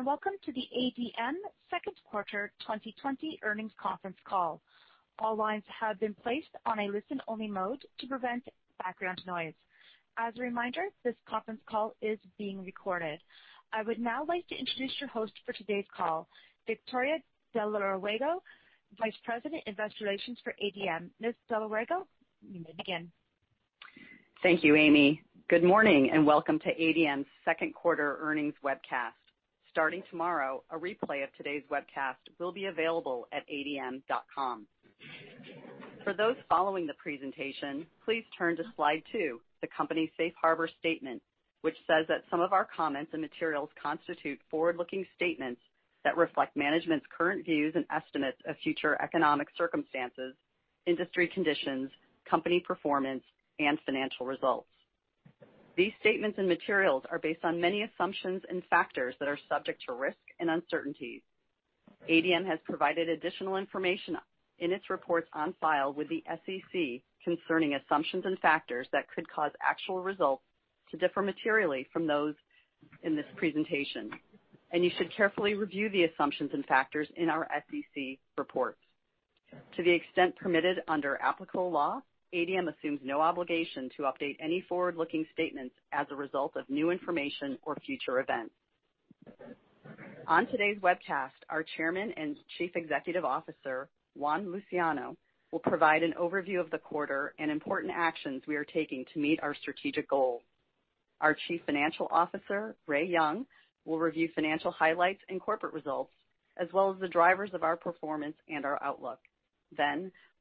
Good morning. Welcome to the ADM Second Quarter 2020 Earnings Conference Call. All lines have been placed on a listen-only mode to prevent background noise. As a reminder, this conference call is being recorded. I would now like to introduce your host for today's call, Victoria de la Huerga, Vice President, Investor Relations for ADM. Ms. de la Huerga, you may begin. Thank you, Amy. Good morning and welcome to ADM's second quarter earnings webcast. Starting tomorrow, a replay of today's webcast will be available at adm.com. For those following the presentation, please turn to Slide two, the company's safe harbor statement, which says that some of our comments and materials constitute forward-looking statements that reflect management's current views and estimates of future economic circumstances, industry conditions, company performance, and financial results. These statements and materials are based on many assumptions and factors that are subject to risk and uncertainties. ADM has provided additional information in its reports on file with the SEC concerning assumptions and factors that could cause actual results to differ materially from those in this presentation. You should carefully review the assumptions and factors in our SEC reports. To the extent permitted under applicable law, ADM assumes no obligation to update any forward-looking statements as a result of new information or future events. On today's webcast, our Chairman and Chief Executive Officer, Juan Luciano, will provide an overview of the quarter and important actions we are taking to meet our strategic goals. Our Chief Financial Officer, Ray Young, will review financial highlights and corporate results, as well as the drivers of our performance and our outlook.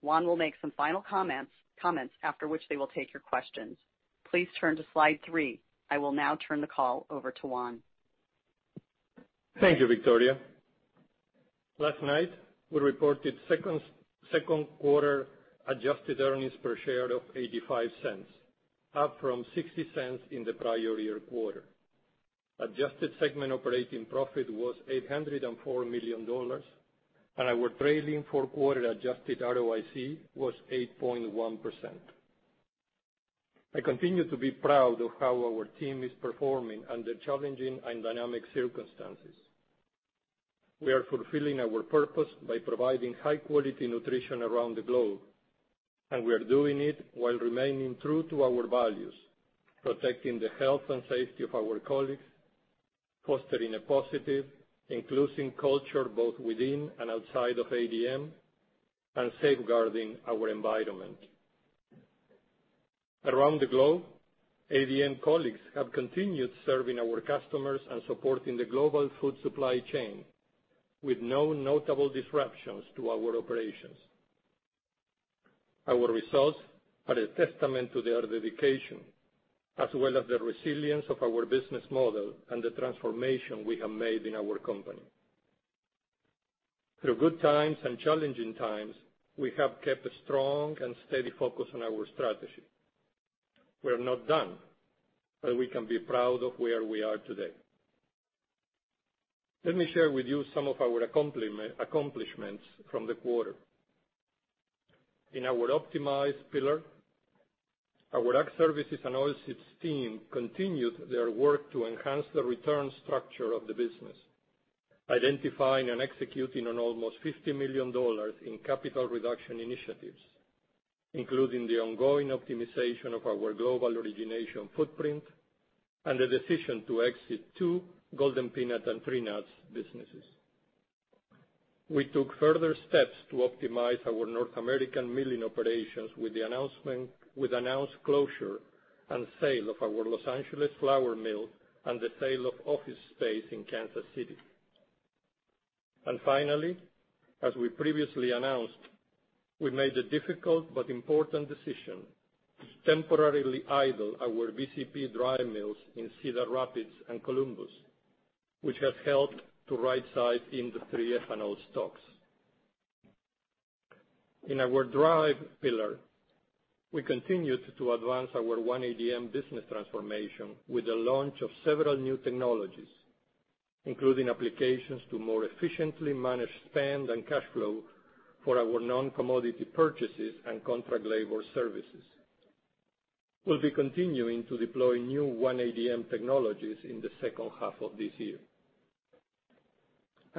Juan will make some final comments, after which they will take your questions. Please turn to Slide three. I will now turn the call over to Juan. Thank you, Victoria. Last night, we reported second quarter adjusted earnings per share of $0.85, up from $0.60 in the prior year quarter. Adjusted segment operating profit was $804 million, and our trailing four-quarter adjusted ROIC was 8.1%. I continue to be proud of how our team is performing under challenging and dynamic circumstances. We are fulfilling our purpose by providing high-quality nutrition around the globe, and we are doing it while remaining true to our values, protecting the health and safety of our colleagues, fostering a positive, inclusive culture both within and outside of ADM, and safeguarding our environment. Around the globe, ADM colleagues have continued serving our customers and supporting the global food supply chain with no notable disruptions to our operations. Our results are a testament to their dedication, as well as the resilience of our business model and the transformation we have made in our company. Through good times and challenging times, we have kept a strong and steady focus on our strategy. We are not done, but we can be proud of where we are today. Let me share with you some of our accomplishments from the quarter. In our Optimize pillar, our Ag Services and Oilseeds team continued their work to enhance the return structure of the business, identifying and executing on almost $50 million in capital reduction initiatives, including the ongoing optimization of our global origination footprint and the decision to exit two Golden Peanut and Tree Nuts businesses. We took further steps to optimize our North American milling operations with the announced closure and sale of our Los Angeles flour mill and the sale of office space in Kansas City. Finally, as we previously announced, we made the difficult but important decision to temporarily idle our VCP dry mills in Cedar Rapids and Columbus, which has helped to right-size industry ethanol stocks. In our Drive pillar, we continued to advance our One ADM business transformation with the launch of several new technologies, including applications to more efficiently manage spend and cash flow for our non-commodity purchases and contract labor services. We'll be continuing to deploy new One ADM technologies in the second half of this year.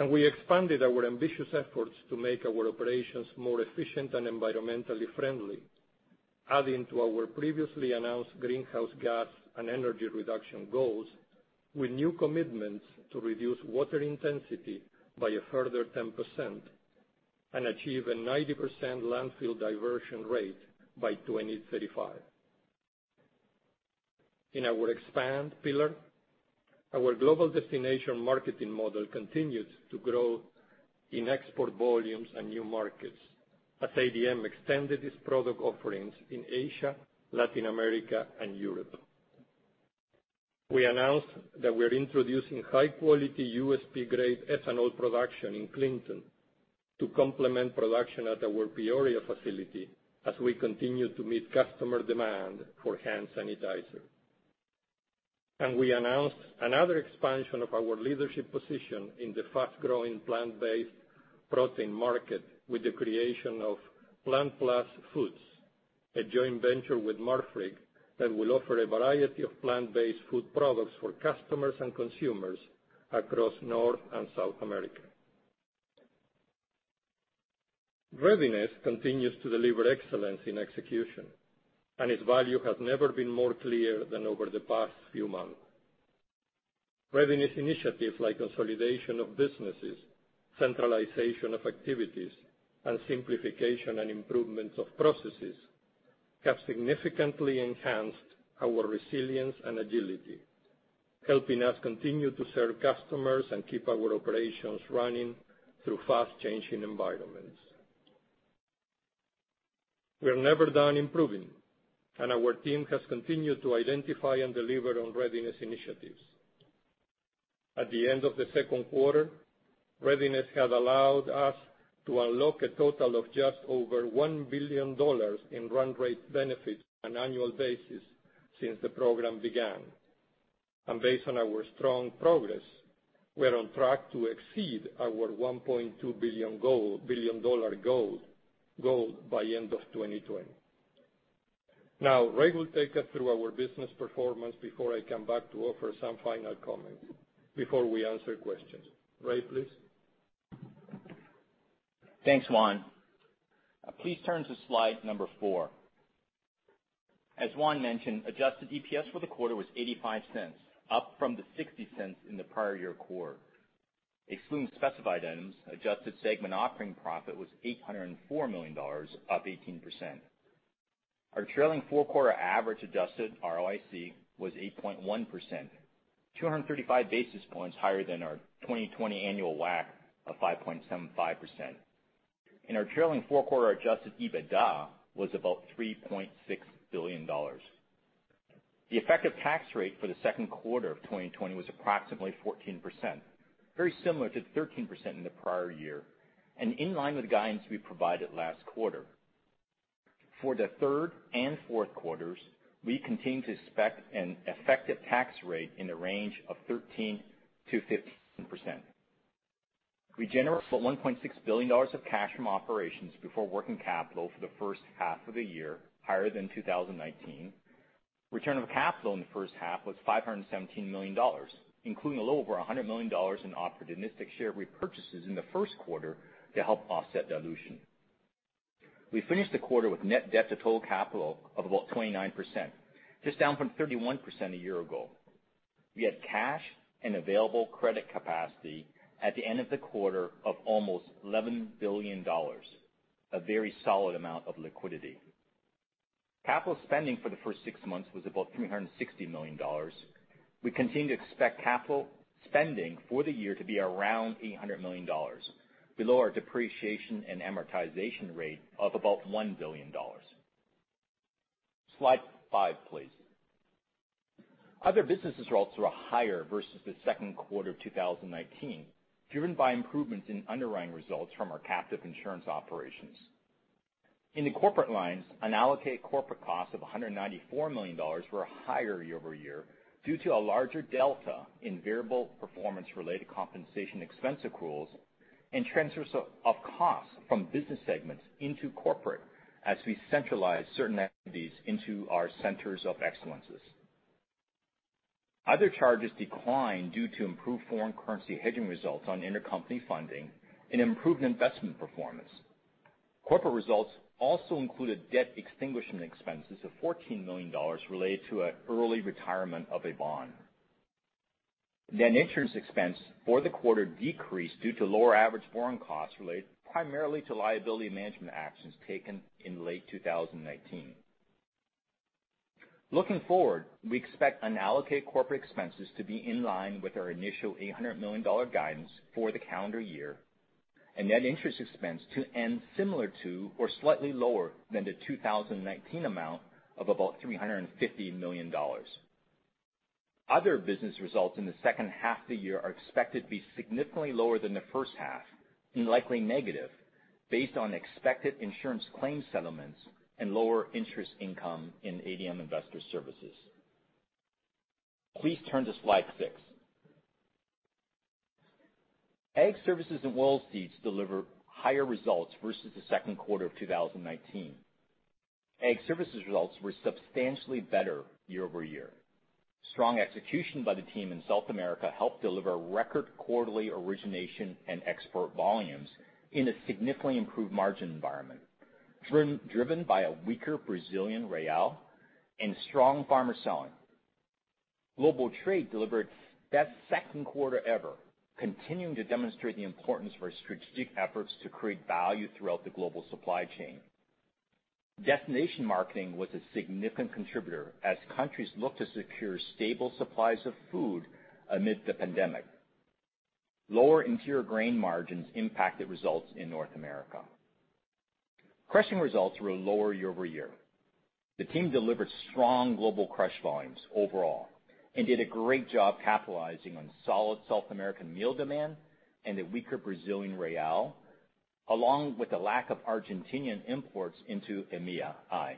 We expanded our ambitious efforts to make our operations more efficient and environmentally friendly, adding to our previously announced greenhouse gas and energy reduction goals with new commitments to reduce water intensity by a further 10% and achieve a 90% landfill diversion rate by 2035. In our Expand pillar, our global destination marketing model continued to grow in export volumes and new markets as ADM extended its product offerings in Asia, Latin America, and Europe. We announced that we're introducing high-quality USP-grade ethanol production in Clinton to complement production at our Peoria facility as we continue to meet customer demand for hand sanitizer. We announced another expansion of our leadership position in the fast-growing plant-based protein market with the creation of PlantPlus Foods, a joint venture with Marfrig that will offer a variety of plant-based food products for customers and consumers across North and South America. Readiness continues to deliver excellence in execution, and its value has never been more clear than over the past few months. Readiness initiatives like consolidation of businesses, centralization of activities, and simplification and improvements of processes have significantly enhanced our resilience and agility, helping us continue to serve customers and keep our operations running through fast-changing environments. We are never done improving, and our team has continued to identify and deliver on Readiness initiatives. At the end of the second quarter, Readiness has allowed us to unlock a total of just over $1 billion in run rate benefits on an annual basis since the program began. Based on our strong progress, we are on track to exceed our $1.2 billion goal by end of 2020. Now, Ray will take us through our business performance before I come back to offer some final comments before we answer questions. Ray, please. Thanks, Juan. Please turn to slide number four. As Juan mentioned, adjusted EPS for the quarter was $0.85, up from the $0.60 in the prior year quarter. Excluding specified items, adjusted segment operating profit was $804 million, up 18%. Our trailing four-quarter average adjusted ROIC was 8.1%, 235 basis points higher than our 2020 annual WACC of 5.75%. Our trailing four-quarter adjusted EBITDA was about $3.6 billion. The effective tax rate for the second quarter of 2020 was approximately 14%, very similar to 13% in the prior year, and in line with the guidance we provided last quarter. For the third and fourth quarters, we continue to expect an effective tax rate in the range of 13%-15%. We generated $1.6 billion of cash from operations before working capital for the first half of the year, higher than 2019. Return on capital in the first half was $517 million, including a little over $100 million in opportunistic share repurchases in the first quarter to help offset dilution. We finished the quarter with net debt to total capital of about 29%, just down from 31% a year ago. We had cash and available credit capacity at the end of the quarter of almost $11 billion, a very solid amount of liquidity. Capital spending for the first six months was about $360 million. We continue to expect capital spending for the year to be around $800 million, below our depreciation and amortization rate of about $1 billion. Slide five, please. Other businesses' results were higher versus the second quarter of 2019, driven by improvements in underwriting results from our captive insurance operations. In the corporate lines, unallocated corporate costs of $194 million were higher year-over-year due to a larger delta in variable performance-related compensation expense accruals and transfers of cost from business segments into corporate as we centralize certain entities into our centers of excellences. Other charges declined due to improved foreign currency hedging results on intercompany funding and improved investment performance. Corporate results also included debt extinguishment expenses of $14 million related to an early retirement of a bond. Net interest expense for the quarter decreased due to lower average borrowing costs related primarily to liability management actions taken in late 2019. Looking forward, we expect unallocated corporate expenses to be in line with our initial $800 million guidance for the calendar year and net interest expense to end similar to or slightly lower than the 2019 amount of about $350 million. Other business results in the second half of the year are expected to be significantly lower than the first half and likely negative based on expected insurance claim settlements and lower interest income in ADM Investor Services. Please turn to slide six. Ag Services and Oilseeds deliver higher results versus the second quarter of 2019. Ag Services results were substantially better year-over-year. Strong execution by the team in South America helped deliver record quarterly origination and export volumes in a significantly improved margin environment, driven by a weaker Brazilian real and strong farmer selling. Global trade delivered its best second quarter ever, continuing to demonstrate the importance of our strategic efforts to create value throughout the global supply chain. destination marketing was a significant contributor as countries looked to secure stable supplies of food amid the pandemic. Lower Interior Grain margins impacted results in North America. Crushing results were lower year-over-year. The team delivered strong global crush volumes overall and did a great job capitalizing on solid South American meal demand and the weaker Brazilian real. Along with the lack of Argentinian imports into EMEAI.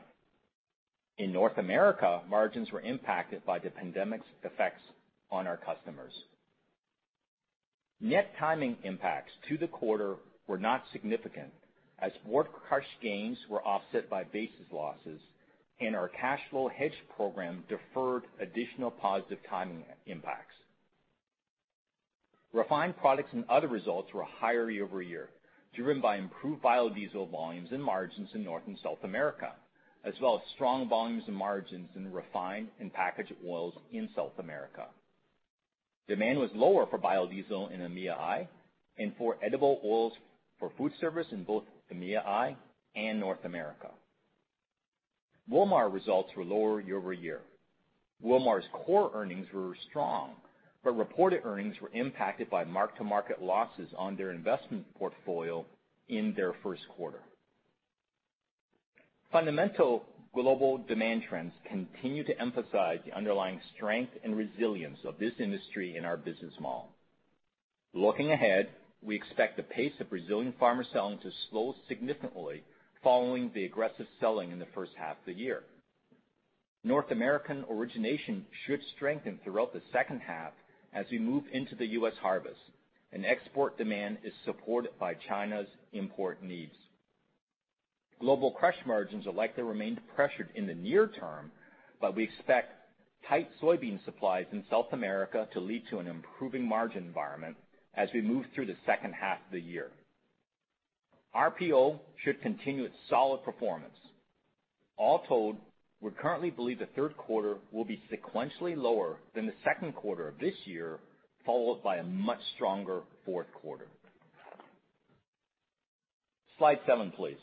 In North America, margins were impacted by the pandemic's effects on our customers. Net timing impacts to the quarter were not significant, as board-crush gains were offset by basis losses, and our cash flow hedge program deferred additional positive timing impacts. Refined products and other results were higher year-over-year, driven by improved biodiesel volumes and margins in North and South America, as well as strong volumes and margins in refined and packaged oils in South America. Demand was lower for biodiesel in EMEAI and for edible oils for food service in both EMEAI and North America. Wilmar results were lower year-over-year. Wilmar's core earnings were strong, but reported earnings were impacted by mark-to-market losses on their investment portfolio in their first quarter. Fundamental global demand trends continue to emphasize the underlying strength and resilience of this industry and our business model. Looking ahead, we expect the pace of Brazilian farmer selling to slow significantly following the aggressive selling in the first half of the year. North American origination should strengthen throughout the second half as we move into the U.S. harvest, and export demand is supported by China's import needs. Global crush margins are likely to remain pressured in the near term, but we expect tight soybean supplies in South America to lead to an improving margin environment as we move through the second half of the year. RPO should continue its solid performance. All told, we currently believe the third quarter will be sequentially lower than the second quarter of this year, followed by a much stronger fourth quarter. Slide seven, please.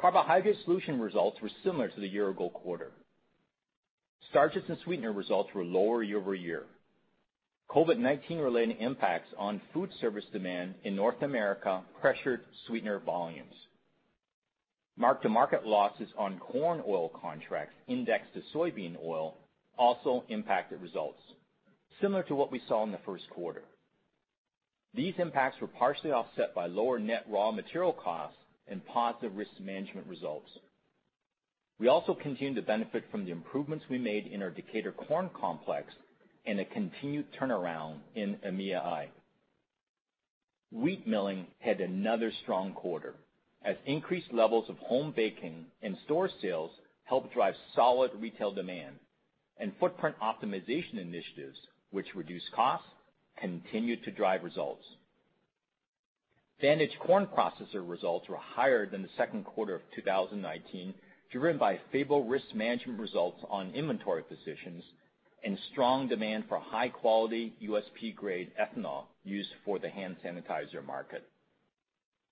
Carbohydrate Solutions results were similar to the year-ago quarter. Starches and Sweeteners results were lower year-over-year. COVID-19-related impacts on food service demand in North America pressured sweetener volumes. Mark-to-market losses on corn oil contracts indexed to soybean oil also impacted results, similar to what we saw in the first quarter. These impacts were partially offset by lower net raw material costs and positive risk management results. We also continue to benefit from the improvements we made in the Decatur corn complex and a continued turnaround in EMEAI. Wheat milling had another strong quarter as increased levels of home baking and store sales helped drive solid retail demand and footprint optimization initiatives, which reduced costs, continued to drive results. Vantage Corn Processors results were higher than the second quarter of 2019, driven by favorable risk management results on inventory positions and strong demand for high-quality USP-grade ethanol used for the hand sanitizer market.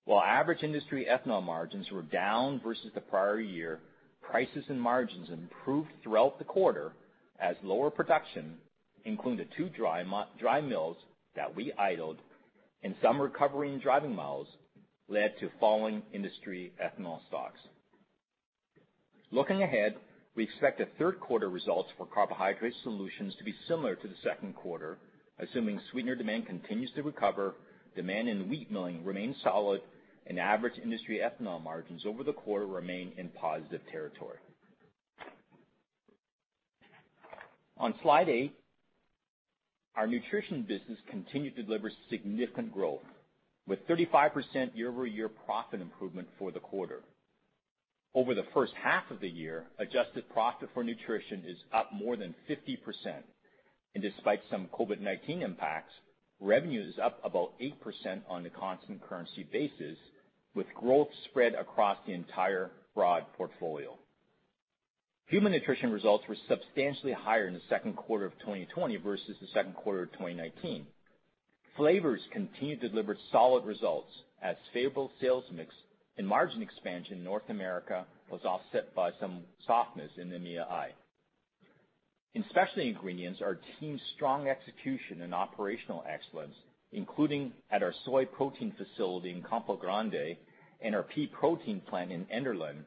While average industry ethanol margins were down versus the prior year, prices and margins improved throughout the quarter as lower production, including the two dry mills that we idled, and some recovery in driving miles led to falling industry ethanol stocks. Looking ahead, we expect the third quarter results for Carbohydrate Solutions to be similar to the second quarter, assuming sweetener demand continues to recover, demand in wheat milling remains solid, and average industry ethanol margins over the quarter remain in positive territory. On slide eight, our Nutrition business continued to deliver significant growth, with 35% year-over-year profit improvement for the quarter. Over the first half of the year, adjusted profit for Nutrition is up more than 50%, and despite some COVID-19 impacts, revenue is up about 8% on the constant currency basis, with growth spread across the entire broad portfolio. Human Nutrition results were substantially higher in the second quarter of 2020 versus the second quarter of 2019. Flavors continued to deliver solid results as favorable sales mix and margin expansion in North America was offset by some softness in EMEAI. In Specialty Ingredients, our team's strong execution and operational excellence, including at our soy protein facility in Campo Grande and our pea protein plant in Enderlin,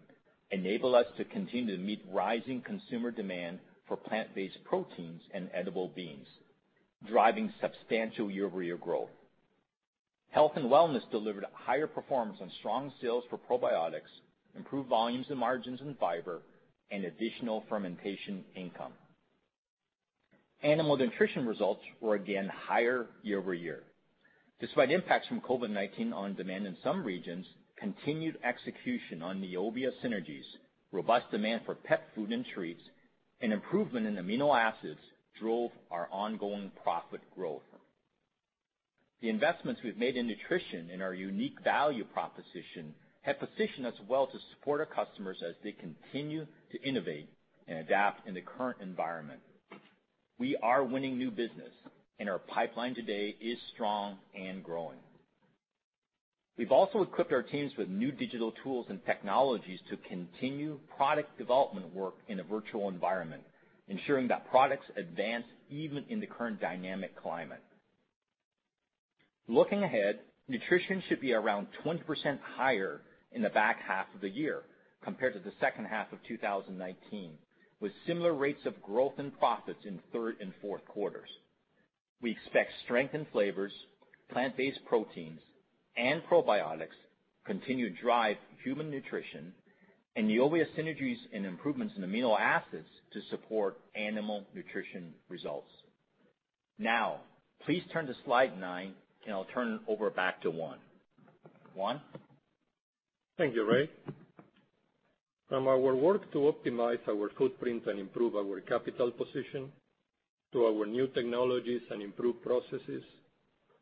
enable us to continue to meet rising consumer demand for plant-based proteins and edible beans, driving substantial year-over-year growth. Health & Wellness delivered a higher performance on strong sales for probiotics, improved volumes and margins in fiber, and additional fermentation income. Animal Nutrition results were again higher year-over-year. Despite impacts from COVID-19 on demand in some regions, continued execution on Neovia synergies, robust demand for pet food and treats, and improvement in amino acids drove our ongoing profit growth. The investments we've made in Nutrition and our unique value proposition have positioned us well to support our customers as they continue to innovate and adapt in the current environment. We are winning new business, and our pipeline today is strong and growing. We've also equipped our teams with new digital tools and technologies to continue product development work in a virtual environment, ensuring that products advance even in the current dynamic climate. Looking ahead, Nutrition should be around 20% higher in the back half of the year compared to the second half of 2019. With similar rates of growth and profits in third and fourth quarters. We expect strength in Flavors, plant-based proteins, and probiotics continue to drive Human Nutrition, and the obvious synergies and improvements in amino acids to support Animal Nutrition results. Now, please turn to slide nine, and I'll turn it over back to Juan. Juan? Thank you, Ray. From our work to optimize our footprint and improve our capital position, to our new technologies and improved processes,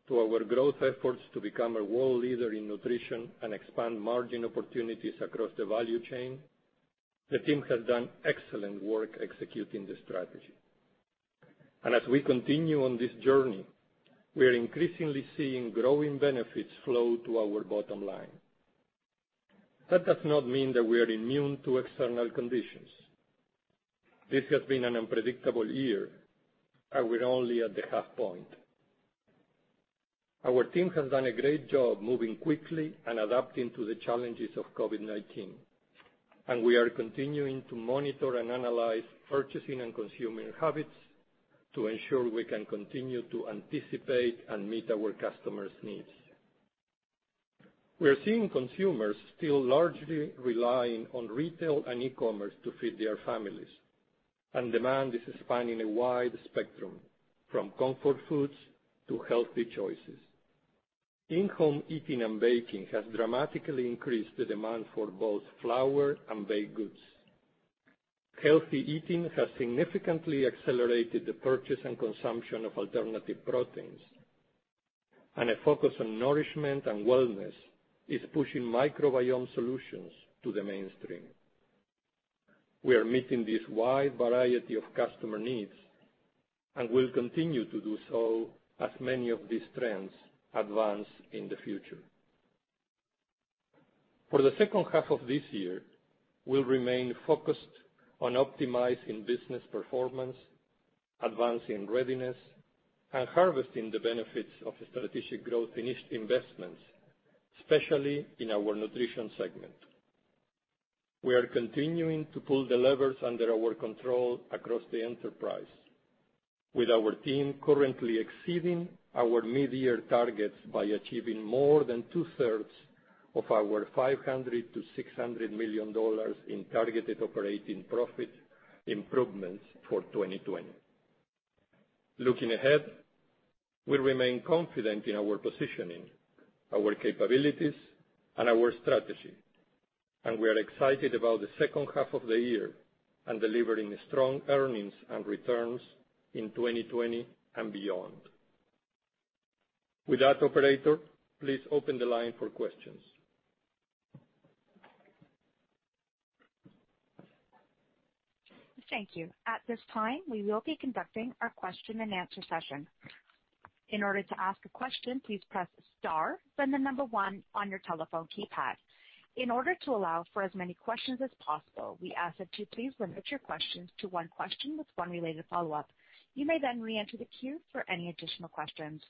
to our growth efforts to become a world leader in nutrition and expand margin opportunities across the value chain, the team has done excellent work executing the strategy. As we continue on this journey, we are increasingly seeing growing benefits flow to our bottom line. That does not mean that we are immune to external conditions. This has been an unpredictable year, and we're only at the half point. Our team has done a great job moving quickly and adapting to the challenges of COVID-19, and we are continuing to monitor and analyze purchasing and consumer habits to ensure we can continue to anticipate and meet our customers' needs. We are seeing consumers still largely relying on retail and e-commerce to feed their families, and demand is spanning a wide spectrum, from comfort foods to healthy choices. In-home eating and baking has dramatically increased the demand for both flour and baked goods. Healthy eating has significantly accelerated the purchase and consumption of alternative proteins. A focus on nourishment and wellness is pushing microbiome solutions to the mainstream. We are meeting this wide variety of customer needs and will continue to do so as many of these trends advance in the future. For the second half of this year, we'll remain focused on optimizing business performance, advancing Readiness, and harvesting the benefits of strategic growth investments, especially in our Nutrition segment. We are continuing to pull the levers under our control across the enterprise, with our team currently exceeding our mid-year targets by achieving more than 2/3 of our $500 million-$600 million in targeted operating profit improvements for 2020. Looking ahead, we remain confident in our positioning, our capabilities, and our strategy. We are excited about the second half of the year and delivering strong earnings and returns in 2020 and beyond. With that, operator, please open the line for questions. Thank you. At this time, we will be conducting our question and answer session. In order to ask a question, please press star, then the number one on your telephone keypad. In order to allow for as many questions as possible, we ask that you please limit your questions to one question with one related follow-up. You may reenter the queue for any additional questions.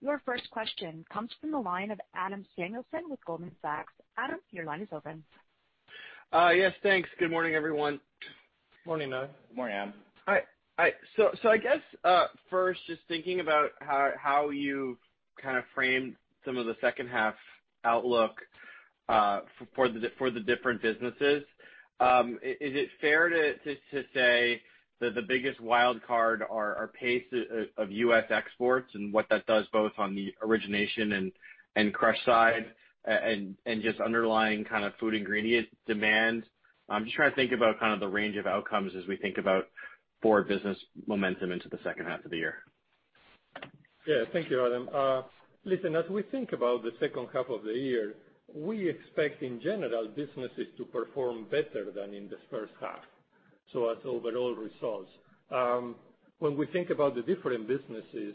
Your first question comes from the line of Adam Samuelson with Goldman Sachs. Adam, your line is open. Yes, thanks. Good morning, everyone. Morning, Adam. Morning, Adam. Hi. I guess, first, just thinking about how you framed some of the second half outlook for the different businesses. Is it fair to say that the biggest wild card are pace of U.S. exports and what that does both on the origination and crush side, and just underlying food ingredient demand? I'm just trying to think about the range of outcomes as we think about board business momentum into the second half of the year. Yeah. Thank you, Adam. Listen, as we think about the second half of the year, we expect, in general, businesses to perform better than in this first half. As overall results. When we think about the different businesses,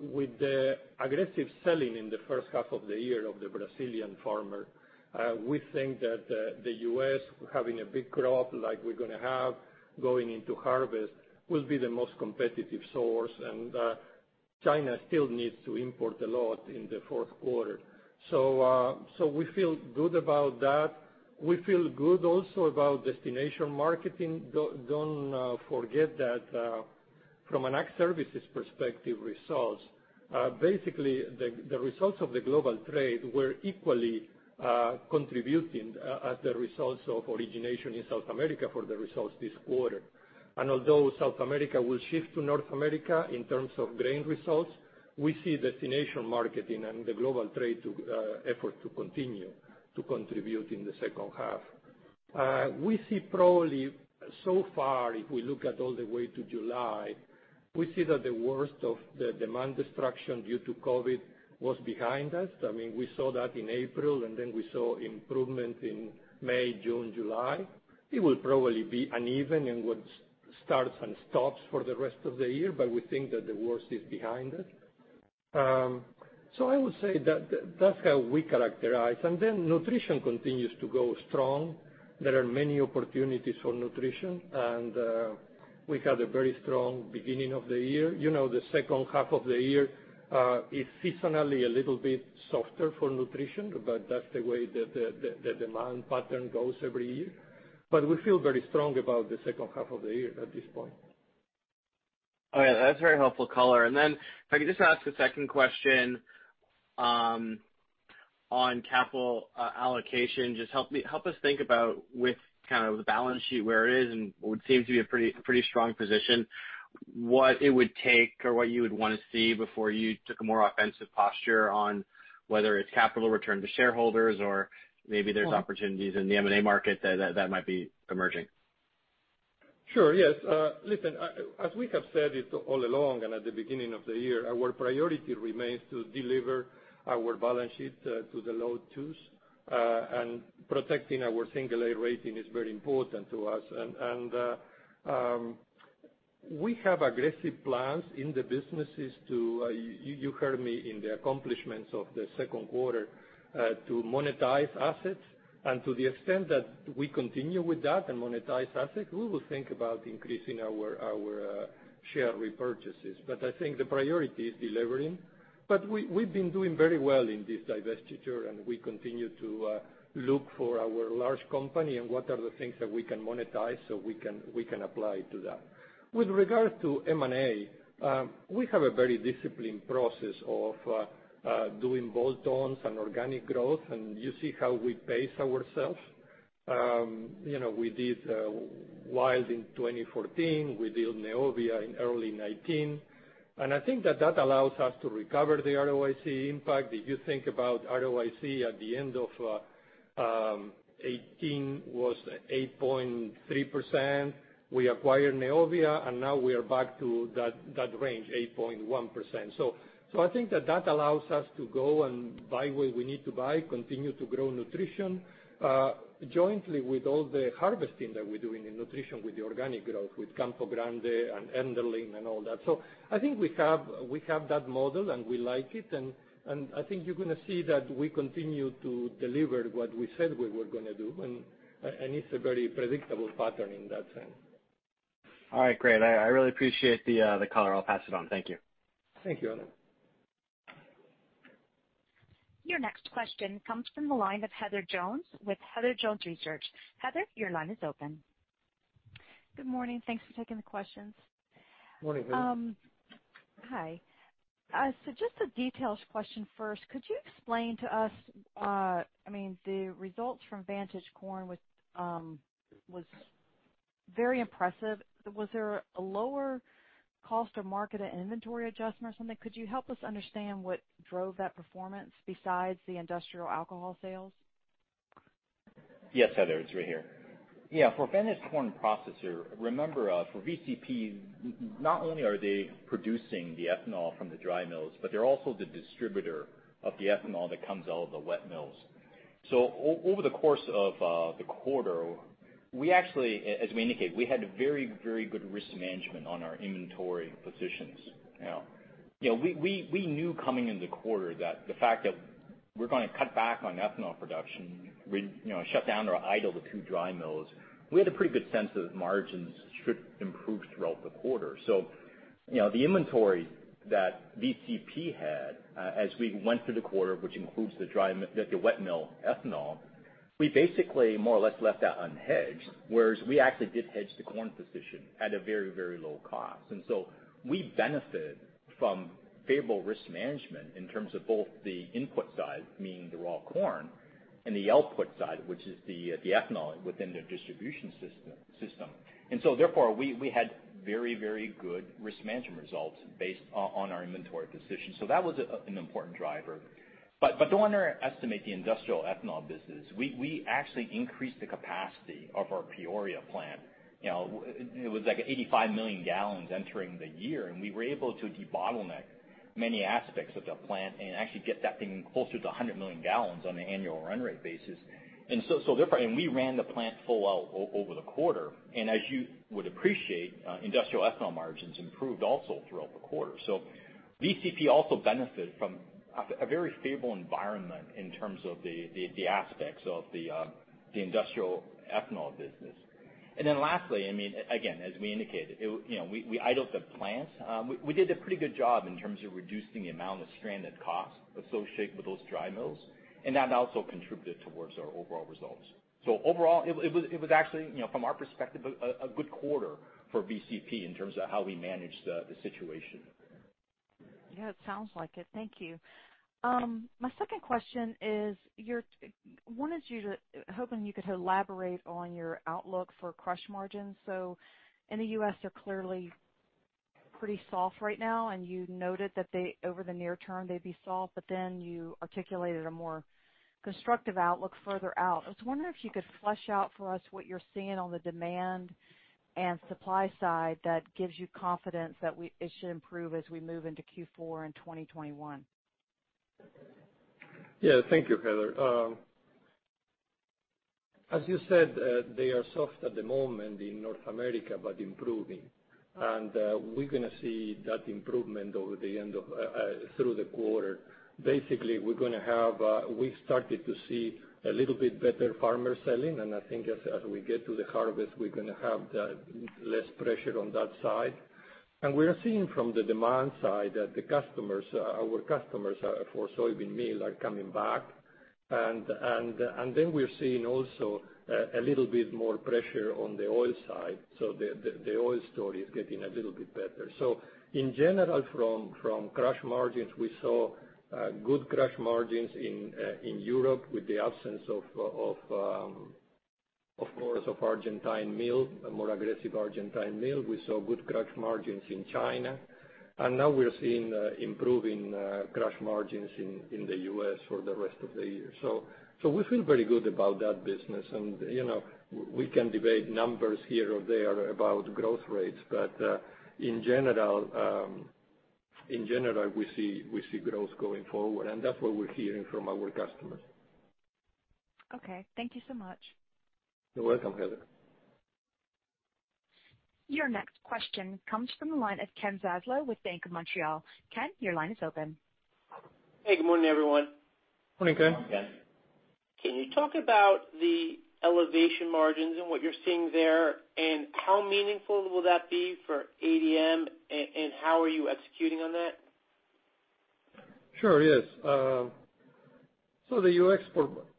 with the aggressive selling in the first half of the year of the Brazilian farmer, we think that the U.S. having a big crop like we're going to have going into harvest will be the most competitive source. China still needs to import a lot in the fourth quarter. We feel good about that. We feel good also about destination marketing. Don't forget that from an Ag Services perspective results, basically the results of the global trade were equally contributing as the results of origination in South America for the results this quarter. Although South America will shift to North America in terms of grain results, we see destination marketing and the global trade effort to continue to contribute in the second half. We see probably so far, if we look at all the way to July, we see that the worst of the demand destruction due to COVID was behind us. We saw that in April, then we saw improvement in May, June, July. It will probably be uneven and with starts and stops for the rest of the year, but we think that the worst is behind us. I would say that's how we characterize. Then Nutrition continues to go strong. There are many opportunities for Nutrition. We had a very strong beginning of the year. The second half of the year is seasonally a little bit softer for Nutrition, that's the way the demand pattern goes every year. We feel very strong about the second half of the year at this point. All right. That's very helpful color. If I could just ask a second question on capital allocation. Just help us think about with the balance sheet, where it is, and what would seem to be a pretty strong position, what it would take or what you would want to see before you took a more offensive posture on whether it's capital return to shareholders or maybe there's opportunities in the M&A market that might be emerging. Sure, yes. Listen, as we have said it all along and at the beginning of the year, our priority remains to deliver our balance sheet to the low twos, and protecting our A rating is very important to us. We have aggressive plans in the businesses to, you heard me in the accomplishments of the second quarter, to monetize assets. To the extent that we continue with that and monetize assets, we will think about increasing our share repurchases. I think the priority is delivering. We've been doing very well in this divestiture, and we continue to look for our large company and what are the things that we can monetize so we can apply to that. With regards to M&A, we have a very disciplined process of doing bolt-ons and organic growth, and you see how we pace ourselves. We did WILD Flavors in 2014, we did Neovia in early 2019, I think that that allows us to recover the ROIC impact. If you think about ROIC at the end of 2018 was 8.3%. We acquired Neovia, now we are back to that range, 8.1%. I think that that allows us to go and buy where we need to buy, continue to grow Nutrition, jointly with all the harvesting that we're doing in Nutrition with the organic growth, with Campo Grande and Enderlin and all that. I think we have that model, and we like it. I think you're going to see that we continue to deliver what we said we were going to do. It's a very predictable pattern in that sense. All right. Great. I really appreciate the color. I'll pass it on. Thank you. Thank you. Your next question comes from the line of Heather Jones with Heather Jones Research. Heather, your line is open. Good morning. Thanks for taking the questions. Morning, Heather. Hi. Just a details question first. Could you explain to us, the results from Vantage Corn was very impressive. Was there a lower cost of market and inventory adjustment or something? Could you help us understand what drove that performance besides the industrial alcohol sales? Heather, it's Ray here. For Vantage Corn Processors, remember, for VCP, not only are they producing the ethanol from the dry mills, but they're also the distributor of the ethanol that comes out of the wet mills. Over the course of the quarter, we actually, as we indicate, we had very good risk management on our inventory positions. We knew coming in the quarter that the fact that we're going to cut back on ethanol production, shut down or idle the two dry mills, we had a pretty good sense that margins should improve throughout the quarter. The inventory that VCP had as we went through the quarter, which includes the wet mill ethanol, we basically more or less left that unhedged, whereas we actually did hedge the corn position at a very low cost. We benefit from favorable risk management in terms of both the input side, meaning the raw corn, and the output side, which is the ethanol within the distribution system. Therefore, we had very good risk management results based on our inventory position. That was an important driver. Don't underestimate the industrial ethanol business. We actually increased the capacity of our Peoria plant. It was like 85 million gallons entering the year, and we were able to debottleneck many aspects of the plant and actually get that thing closer to 100 million gallons on an annual run rate basis. We ran the plant full out over the quarter. As you would appreciate, industrial ethanol margins improved also throughout the quarter. VCP also benefited from a very favorable environment in terms of the aspects of the industrial ethanol business. Lastly, again, as we indicated, we idled the plants. We did a pretty good job in terms of reducing the amount of stranded cost associated with those dry mills, and that also contributed towards our overall results. Overall, it was actually, from our perspective, a good quarter for VCP in terms of how we managed the situation. It sounds like it. Thank you. My second question is, I was hoping you could elaborate on your outlook for crush margins. In the U.S., they're clearly pretty soft right now, and you noted that over the near term, they'd be soft, but then you articulated a more constructive outlook further out. I was wondering if you could flesh out for us what you're seeing on the demand and supply side that gives you confidence that it should improve as we move into Q4 and 2021. Thank you, Heather. As you said, they are soft at the moment in North America, but improving. We're going to see that improvement through the quarter. Basically, we started to see a little bit better farmer selling, and I think as we get to the harvest, we're going to have less pressure on that side. We are seeing from the demand side that our customers for soybean meal are coming back. We're seeing also a little bit more pressure on the oil side. The oil story is getting a little bit better. In general, from crush margins, we saw good crush margins in Europe with the absence, of course, of Argentine meal, a more aggressive Argentine meal. We saw good crush margins in China. Now we're seeing improving crush margins in the U.S. for the rest of the year. We feel very good about that business. We can debate numbers here or there about growth rates, but in general, we see growth going forward, and that's what we're hearing from our customers. Okay. Thank you so much. You're welcome, Heather. Your next question comes from the line of Ken Zaslow with Bank of Montreal. Ken, your line is open. Hey, good morning, everyone. Morning, Ken. Can you talk about the elevation margins and what you're seeing there, and how meaningful will that be for ADM, and how are you executing on that? Sure. Yes. The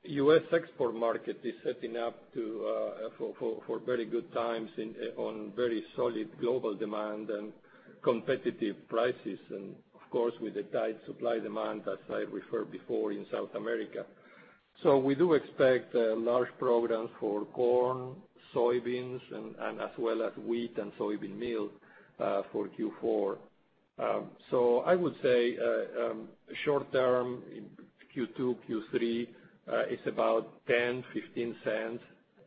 U.S. export market is setting up for very good times on very solid global demand and competitive prices, and, of course, with the tight supply demand, as I referred before, in South America. We do expect large programs for corn, soybeans, and as well as wheat and soybean meal for Q4. I would say, short term in Q2, Q3, it's about $0.10-$0.15,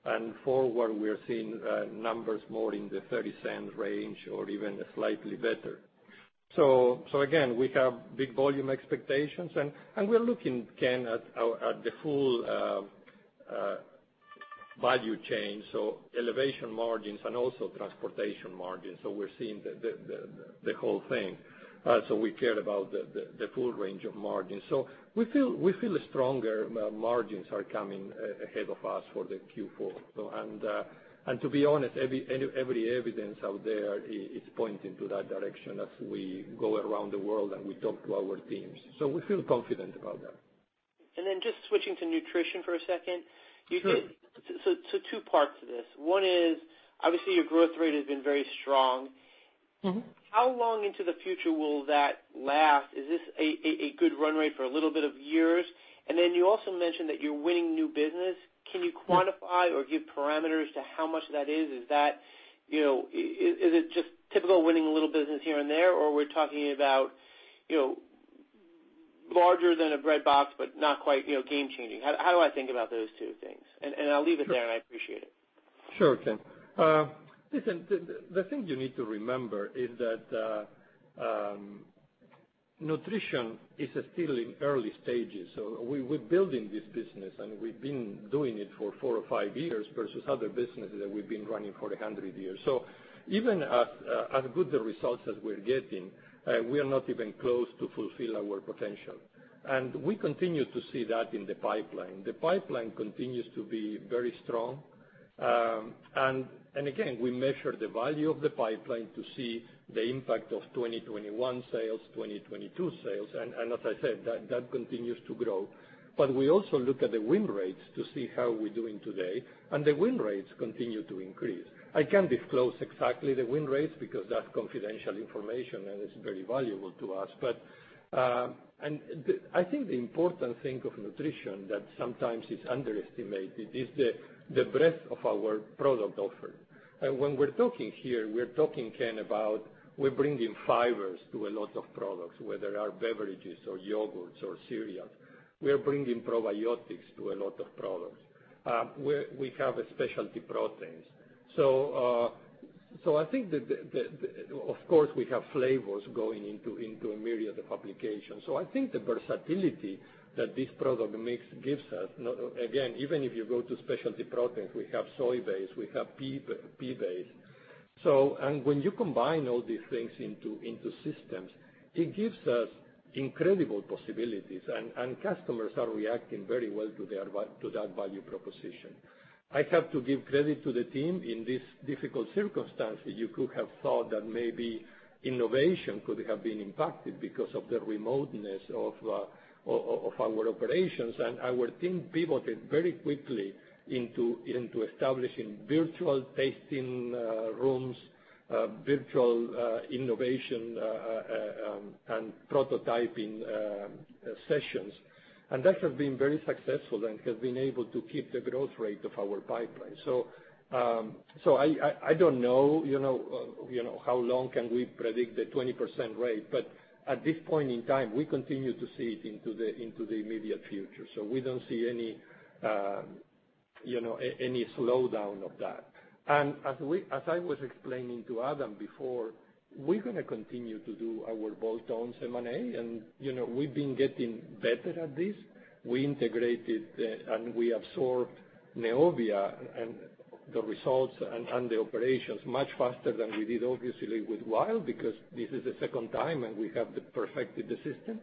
and forward, we are seeing numbers more in the $0.30 range or even slightly better. Again, we have big volume expectations, and we are looking, Ken, at the full value chain, elevation margins and also transportation margins. We're seeing the whole thing. We care about the full range of margins. We feel stronger margins are coming ahead of us for the Q4. To be honest, every evidence out there is pointing to that direction as we go around the world and we talk to our teams. We feel confident about that. Just switching to Nutrition for a second. Sure. Two parts to this. One is, obviously, your growth rate has been very strong. How long into the future will that last? Is this a good run rate for a little bit of years? You also mentioned that you're winning new business. Can you quantify or give parameters to how much that is? Is it just typical winning a little business here and there, or we're talking about larger than a breadbox, but not quite game changing? How do I think about those two things? I'll leave it there, and I appreciate it. Sure, Ken. Listen, the thing you need to remember is that Nutrition is still in early stages. We're building this business, and we've been doing it for four or five years versus other businesses that we've been running for 100 years. Even as good the results as we're getting, we are not even close to fulfill our potential. We continue to see that in the pipeline. The pipeline continues to be very strong. Again, we measure the value of the pipeline to see the impact of 2021 sales, 2022 sales, and as I said, that continues to grow. We also look at the win rates to see how we're doing today, and the win rates continue to increase. I can't disclose exactly the win rates because that's confidential information, and it's very valuable to us. I think the important thing of Nutrition that sometimes is underestimated is the breadth of our product offer. When we're talking here, we're talking, Ken, about we're bringing fibers to a lot of products, whether they are beverages or yogurts or cereals. We are bringing probiotics to a lot of products. We have specialty proteins. I think that, of course, we have Flavors going into a myriad of applications. I think the versatility that this product mix gives us, again, even if you go to specialty proteins, we have soy base, we have pea base. When you combine all these things into systems, it gives us incredible possibilities, and customers are reacting very well to that value proposition. I have to give credit to the team in this difficult circumstance. You could have thought that maybe innovation could have been impacted because of the remoteness of our operations, and our team pivoted very quickly into establishing virtual tasting rooms, virtual innovation and prototyping sessions. That has been very successful and has been able to keep the growth rate of our pipeline. I don't know how long can we predict the 20% rate. At this point in time, we continue to see it into the immediate future. We don't see any slowdown of that. As I was explaining to Adam before, we're going to continue to do our bolt-ons M&A, and we've been getting better at this. We integrated and we absorbed Neovia and the results and the operations much faster than we did, obviously, with WILD Flavors, because this is the second time, and we have perfected the system.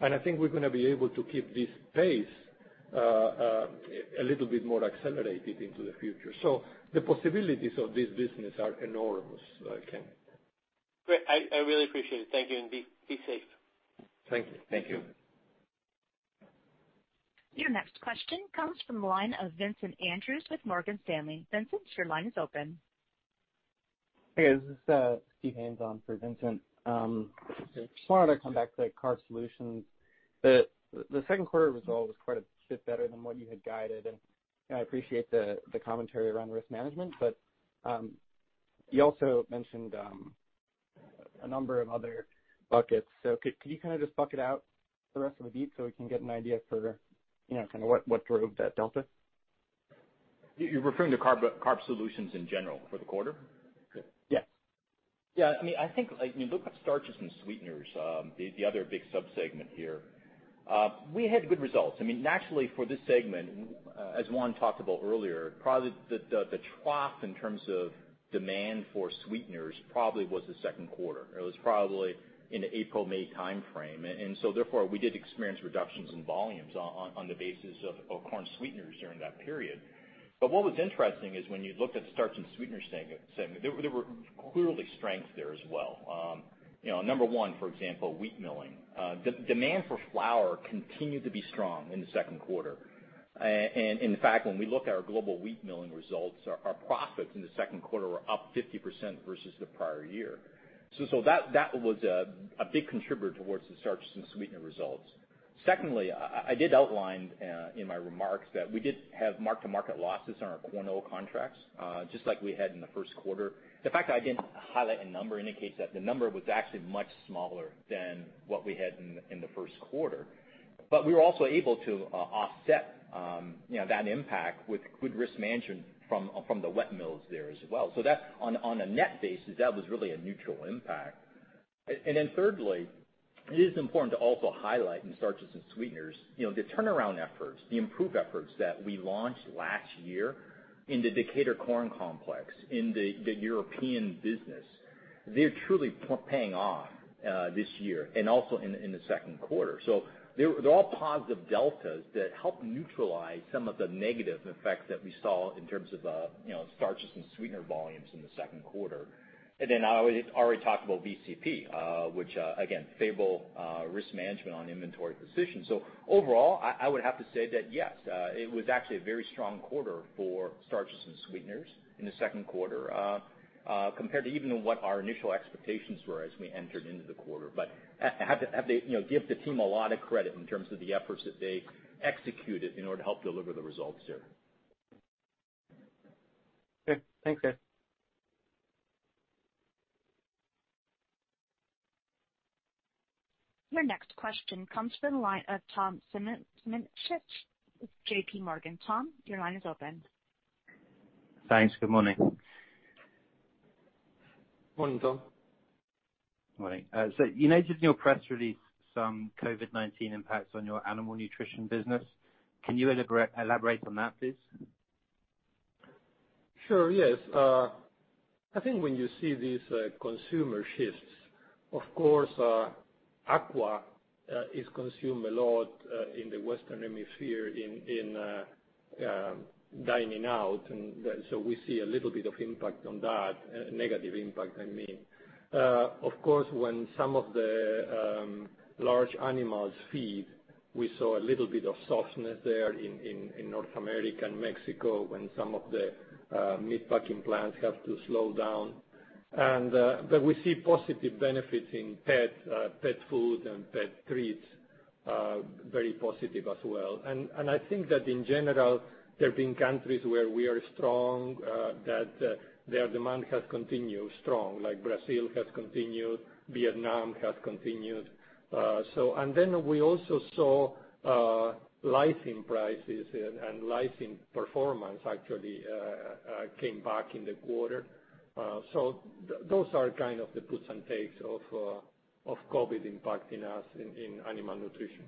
I think we're going to be able to keep this pace. A little bit more accelerated into the future. The possibilities of this business are enormous, Ken. Great. I really appreciate it. Thank you, and be safe. Thank you. Thank you. Your next question comes from the line of Vincent Andrews with Morgan Stanley. Vincent, your line is open. Hey, guys. This is Steven Haynes on for Vincent Andrews. Just wanted to come back to Carbohydrate Solutions. The second quarter result was quite a bit better than what you had guided, and I appreciate the commentary around risk management. You also mentioned a number of other buckets. Could you kind of just bucket out the rest of the beat so we can get an idea for what drove that delta? You're referring to Carb Solutions in general for the quarter? Yes. Yeah. I think when you look at Starches and Sweeteners, the other big sub-segment here, we had good results. For this segment, as Juan talked about earlier, probably the trough in terms of demand for sweeteners probably was the second quarter, or it was probably in the April-May timeframe. Therefore, we did experience reductions in volumes on the basis of corn sweeteners during that period. What was interesting is when you looked at the Starches and Sweeteners segment, there were clearly strengths there as well. Number one, for example, wheat milling. Demand for flour continued to be strong in the second quarter. In fact, when we look at our global wheat milling results, our profits in the second quarter were up 50% versus the prior year. That was a big contributor towards the Starches and Sweeteners results. I did outline in my remarks that we did have mark-to-market losses on our corn oil contracts, just like we had in the first quarter. The fact that I didn't highlight a number indicates that the number was actually much smaller than what we had in the first quarter. We were also able to offset that impact with good risk management from the wet mills there as well. That on a net basis, that was really a neutral impact. Thirdly, it is important to also highlight in Starches and Sweeteners, the turnaround efforts, the improved efforts that we launched last year in the Decatur Corn Complex, in the European business. They're truly paying off this year and also in the second quarter. They're all positive deltas that help neutralize some of the negative effects that we saw in terms of Starches and Sweeteners volumes in the second quarter. Then I already talked about VCP, which again, favorable risk management on inventory position. Overall, I would have to say that, yes, it was actually a very strong quarter for Starches and Sweeteners in the second quarter, compared to even what our initial expectations were as we entered into the quarter. I have to give the team a lot of credit in terms of the efforts that they executed in order to help deliver the results here. Okay. Thanks, guys. Your next question comes from the line of Tom Simonitsch with JPMorgan. Tom, your line is open. Thanks. Good morning. Morning, Tom. Morning. You noted in your press release some COVID-19 impacts on your animal nutrition business. Can you elaborate on that, please? Sure, yes. I think when you see these consumer shifts, of course, aqua is consumed a lot in the Western Hemisphere in dining out, we see a little bit of impact on that. A negative impact, I mean. Of course, when some of the large animals feed, we saw a little bit of softness there in North America and Mexico when some of the meat packing plants have to slow down. We see positive benefits in pet food and pet treats, very positive as well. I think that in general, there have been countries where we are strong, that their demand has continued strong, like Brazil has continued, Vietnam has continued. We also saw lysine prices and lysine performance actually came back in the quarter. Those are kind of the puts and takes of COVID impacting us in Animal Nutrition.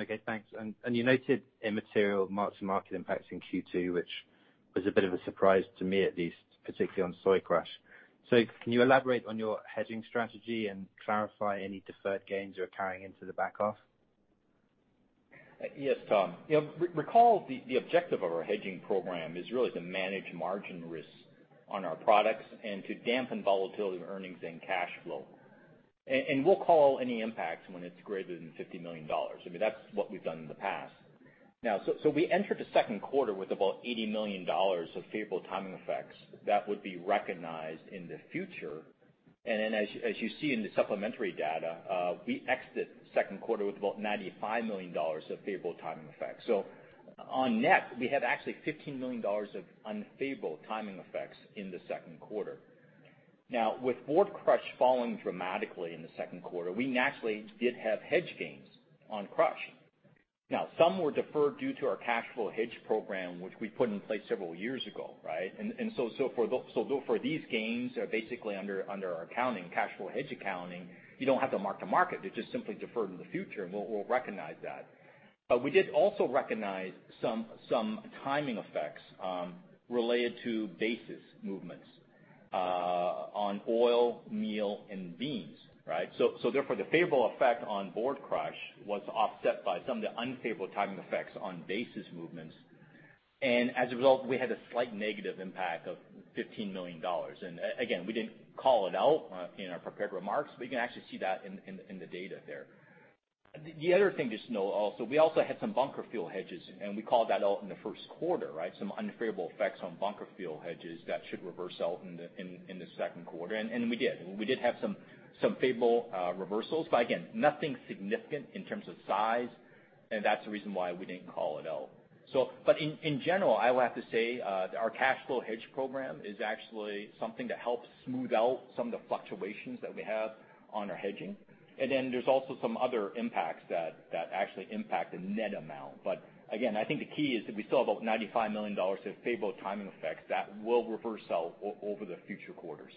Okay, thanks. You noted immaterial mark-to-market impacts in Q2, which was a bit of a surprise to me at least, particularly on soy crush. Can you elaborate on your hedging strategy and clarify any deferred gains you're carrying into the back half? Yes, Tom. Recall the objective of our hedging program is really to manage margin risks on our products and to dampen volatility of earnings and cash flow. We'll call any impacts when it's greater than $50 million. That's what we've done in the past. We entered the second quarter with $80 million of favorable timing effects that would be recognized in the future. As you see in the supplementary data, we exited the second quarter with $95 million of favorable timing effects. On net, we have actually $15 million of unfavorable timing effects in the second quarter. With board crush falling dramatically in the second quarter, we naturally did have hedge gains on crush. Some were deferred due to our cash flow hedge program, which we put in place several years ago, right? For these gains are basically under our accounting, cash flow hedge accounting, you don't have to mark-to-market. They're just simply deferred in the future, and we'll recognize that. We did also recognize some timing effects related to basis movements on oil, meal, and beans. Therefore, the favorable effect on board crush was offset by some of the unfavorable timing effects on basis movements. As a result, we had a slight negative impact of $15 million. Again, we didn't call it out in our prepared remarks, but you can actually see that in the data there. The other thing to note also, we also had some bunker fuel hedges, we called that out in the first quarter. Some unfavorable effects on bunker fuel hedges that should reverse out in the second quarter, we did. We did have some favorable reversals. Again, nothing significant in terms of size, and that's the reason why we didn't call it out. In general, I will have to say that our Cash flow hedge program is actually something that helps smooth out some of the fluctuations that we have on our hedging. Then there's also some other impacts that actually impact the net amount. Again, I think the key is that we still have about $95 million of favorable timing effects that will reverse out over the future quarters.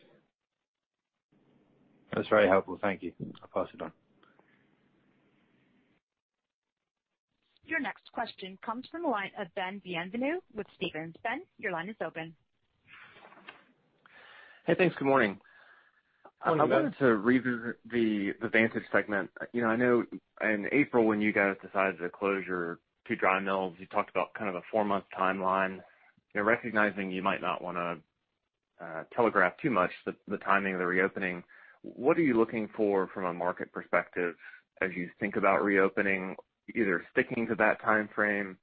That's very helpful. Thank you. I'll pass it on. Your next question comes from the line of Ben Bienvenu with Stephens. Ben, your line is open. Hey, thanks. Good morning. Morning, Ben. I wanted to revisit the Vantage segment. I know in April, when you guys decided to close your two dry mills, you talked about a four-month timeline. Recognizing you might not want to telegraph too much the timing of the reopening, what are you looking for from a market perspective as you think about reopening, either sticking to that timeframe,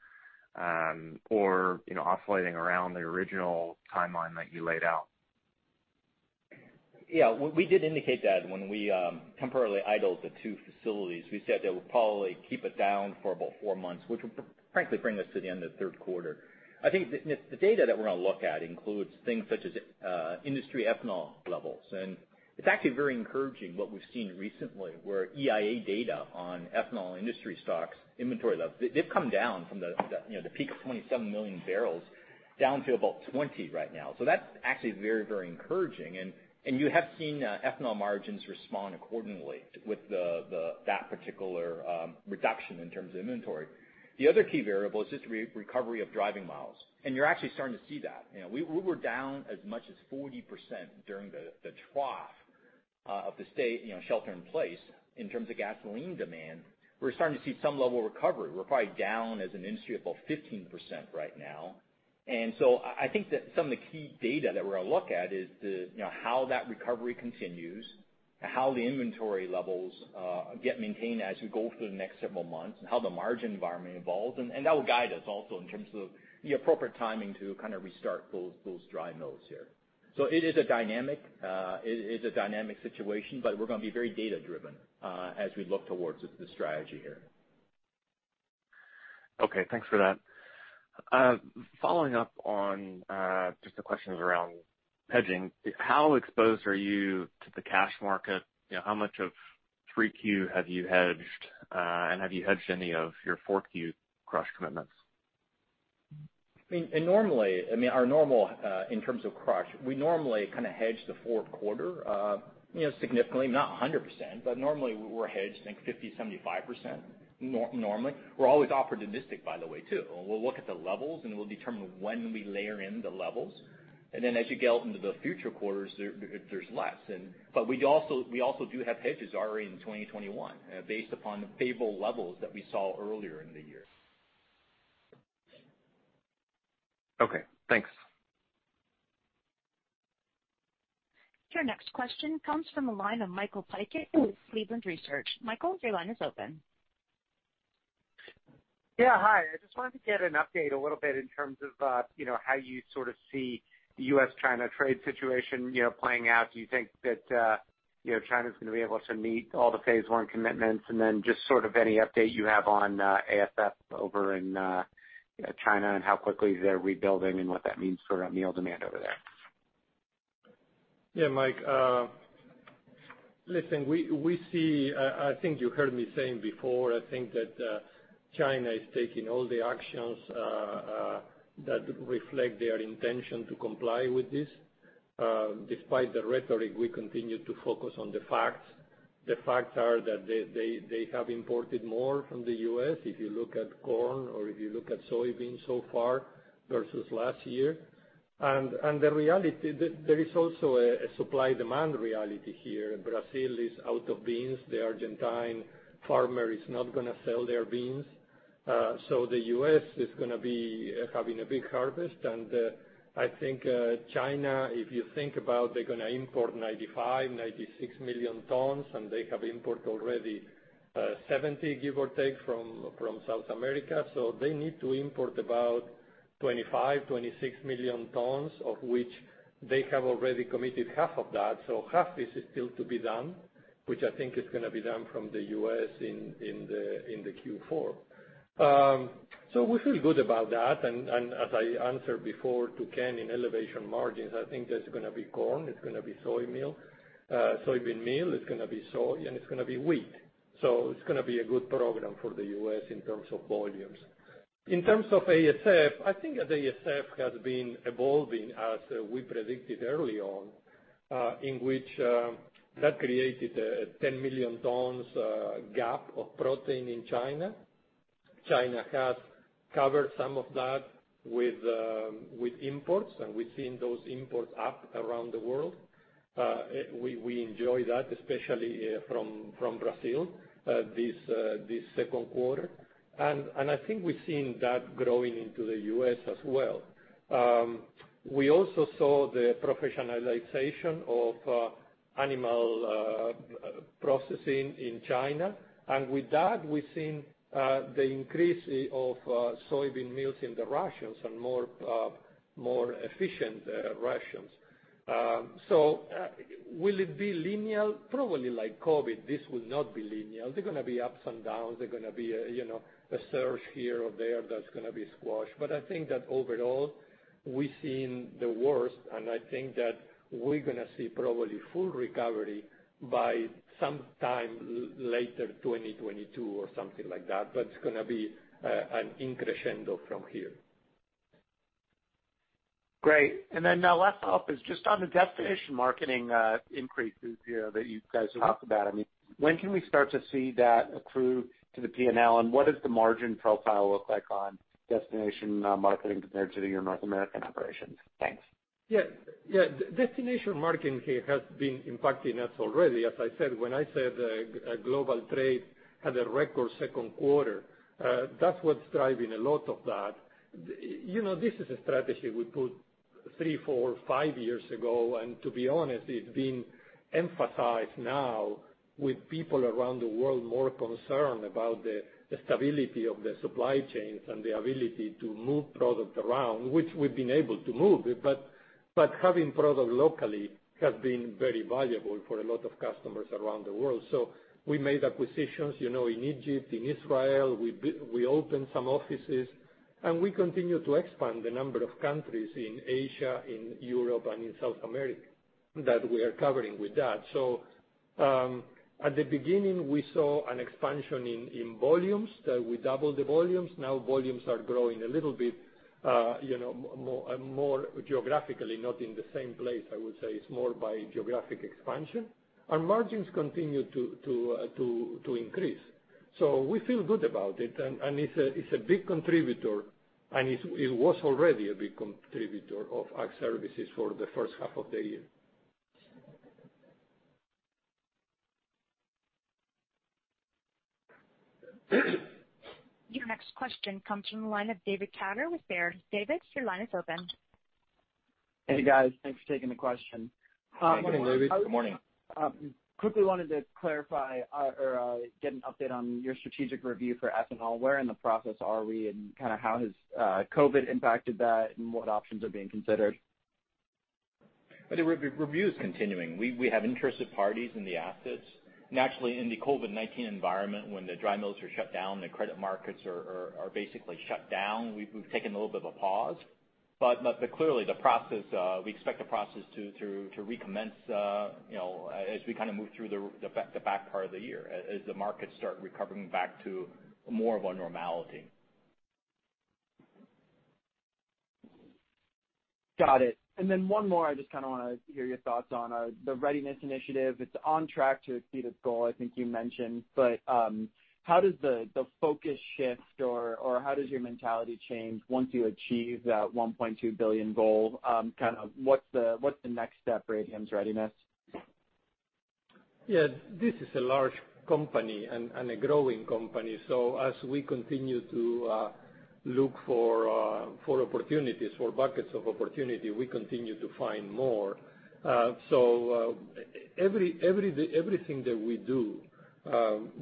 or oscillating around the original timeline that you laid out? Yeah. We did indicate that when we temporarily idled the 2 facilities. We said that we'll probably keep it down for about 4 months, which would frankly bring us to the end of the third quarter. I think the data that we're going to look at includes things such as industry ethanol levels. It's actually very encouraging what we've seen recently, where EIA data on ethanol industry stocks inventory levels, they've come down from the peak of 27 million barrels down to about 20 right now. That's actually very encouraging. You have seen ethanol margins respond accordingly with that particular reduction in terms of inventory. The other key variable is just recovery of driving miles, and you're actually starting to see that. We were down as much as 40% during the trough of the shelter in place in terms of gasoline demand. We're starting to see some level of recovery. We're probably down as an industry about 15% right now. I think that some of the key data that we're going to look at is how that recovery continues, how the inventory levels get maintained as we go through the next several months, and how the margin environment evolves. That will guide us also in terms of the appropriate timing to kind of restart those dry mills here. It is a dynamic situation, but we're going to be very data-driven as we look towards the strategy here. Okay, thanks for that. Following up on just the questions around hedging, how exposed are you to the cash market? How much of 3Q have you hedged? Have you hedged any of your 4Q crush commitments? In terms of crush, we normally hedge the fourth quarter significantly. Not 100%, but normally we're hedged, I think 50%, 75%, normally. We're always opportunistic, by the way, too. We'll look at the levels, and we'll determine when we layer in the levels. Then as you get out into the future quarters, there's less. We also do have hedges already in 2021 based upon the favorable levels that we saw earlier in the year. Okay, thanks. Your next question comes from the line of Michael Piken with Cleveland Research. Michael, your line is open. Yeah, hi. I just wanted to get an update a little bit in terms of how you sort of see the U.S.-China trade situation playing out. Do you think that China's going to be able to meet all the phase I commitments? Then just sort of any update you have on ASF over in China and how quickly they're rebuilding and what that means for meal demand over there. Mike. I think you heard me saying before, I think that China is taking all the actions that reflect their intention to comply with this. Despite the rhetoric, we continue to focus on the facts. The facts are that they have imported more from the U.S., if you look at corn or if you look at soybeans so far versus last year. The reality, there is also a supply-demand reality here. Brazil is out of beans. The Argentine farmer is not going to sell their beans. The U.S. is going to be having a big harvest. I think China, if you think about they're going to import 95 million-96 million tons, and they have imported already 70, give or take, from South America. They need to import about 25 million-26 million tons, of which they have already committed half of that. Half this is still to be done, which I think is going to be done from the U.S. in the Q4. We feel good about that. As I answered before to Ken in elevation margins, I think that's going to be corn, it's going to be soybean meal, it's going to be soy, and it's going to be wheat. It's going to be a good program for the U.S. in terms of volumes. In terms of ASF, I think the ASF has been evolving as we predicted early on, in which that created a 10 million tons gap of protein in China. China has covered some of that with imports, and we've seen those imports up around the world. We enjoy that, especially from Brazil this second quarter. I think we've seen that growing into the U.S. as well. We also saw the professionalization of animal processing in China. With that, we've seen the increase of soybean meals in the rations and more efficient rations. Will it be linear? Probably like COVID-19, this will not be linear. There are going to be ups and downs. There are going to be a surge here or there that's going to be squashed. I think that overall, we've seen the worst, and I think that we're going to see probably full recovery by some time later 2022 or something like that. It's going to be a crescendo from here. Great. Now last up is just on the destination marketing increases here that you guys have talked about. When can we start to see that accrue to the P&L, and what does the margin profile look like on destination marketing compared to your North American operations? Thanks. Yeah. Destination marketing has been impacting us already. As I said, when I said global trade had a record second quarter, that's what's driving a lot of that. This is a strategy we put three, four, five years ago, and to be honest, it's being emphasized now with people around the world more concerned about the stability of the supply chains and the ability to move product around, which we've been able to move, but having product locally has been very valuable for a lot of customers around the world. We made acquisitions, in Egypt, in Israel. We opened some offices, and we continue to expand the number of countries in Asia, in Europe, and in South America that we are covering with that. At the beginning, we saw an expansion in volumes. We doubled the volumes. Now volumes are growing a little bit, more geographically, not in the same place, I would say. It's more by geographic expansion. Margins continue to increase. We feel good about it, and it's a big contributor, and it was already a big contributor of Ag Services for the first half of the year. Your next question comes from the line of David Katter with Baird. David, your line is open. Hey, guys. Thanks for taking the question. Hey, David. Good morning. Quickly wanted to clarify or get an update on your strategic review for ethanol. Where in the process are we, and how has COVID-19 impacted that, and what options are being considered? The review is continuing. We have interested parties in the assets. Naturally, in the COVID-19 environment, when the dry mills are shut down, the credit markets are basically shut down. We've taken a little bit of a pause. Clearly, we expect the process to recommence as we move through the back part of the year, as the markets start recovering back to more of a normality. Got it. Then one more I just want to hear your thoughts on. The Readiness initiative, it's on track to exceed its goal, I think you mentioned, but how does the focus shift, or how does your mentality change once you achieve that $1.2 billion goal? What's the next step for ADM's Readiness? This is a large company and a growing company. As we continue to look for buckets of opportunity, we continue to find more. Everything that we do,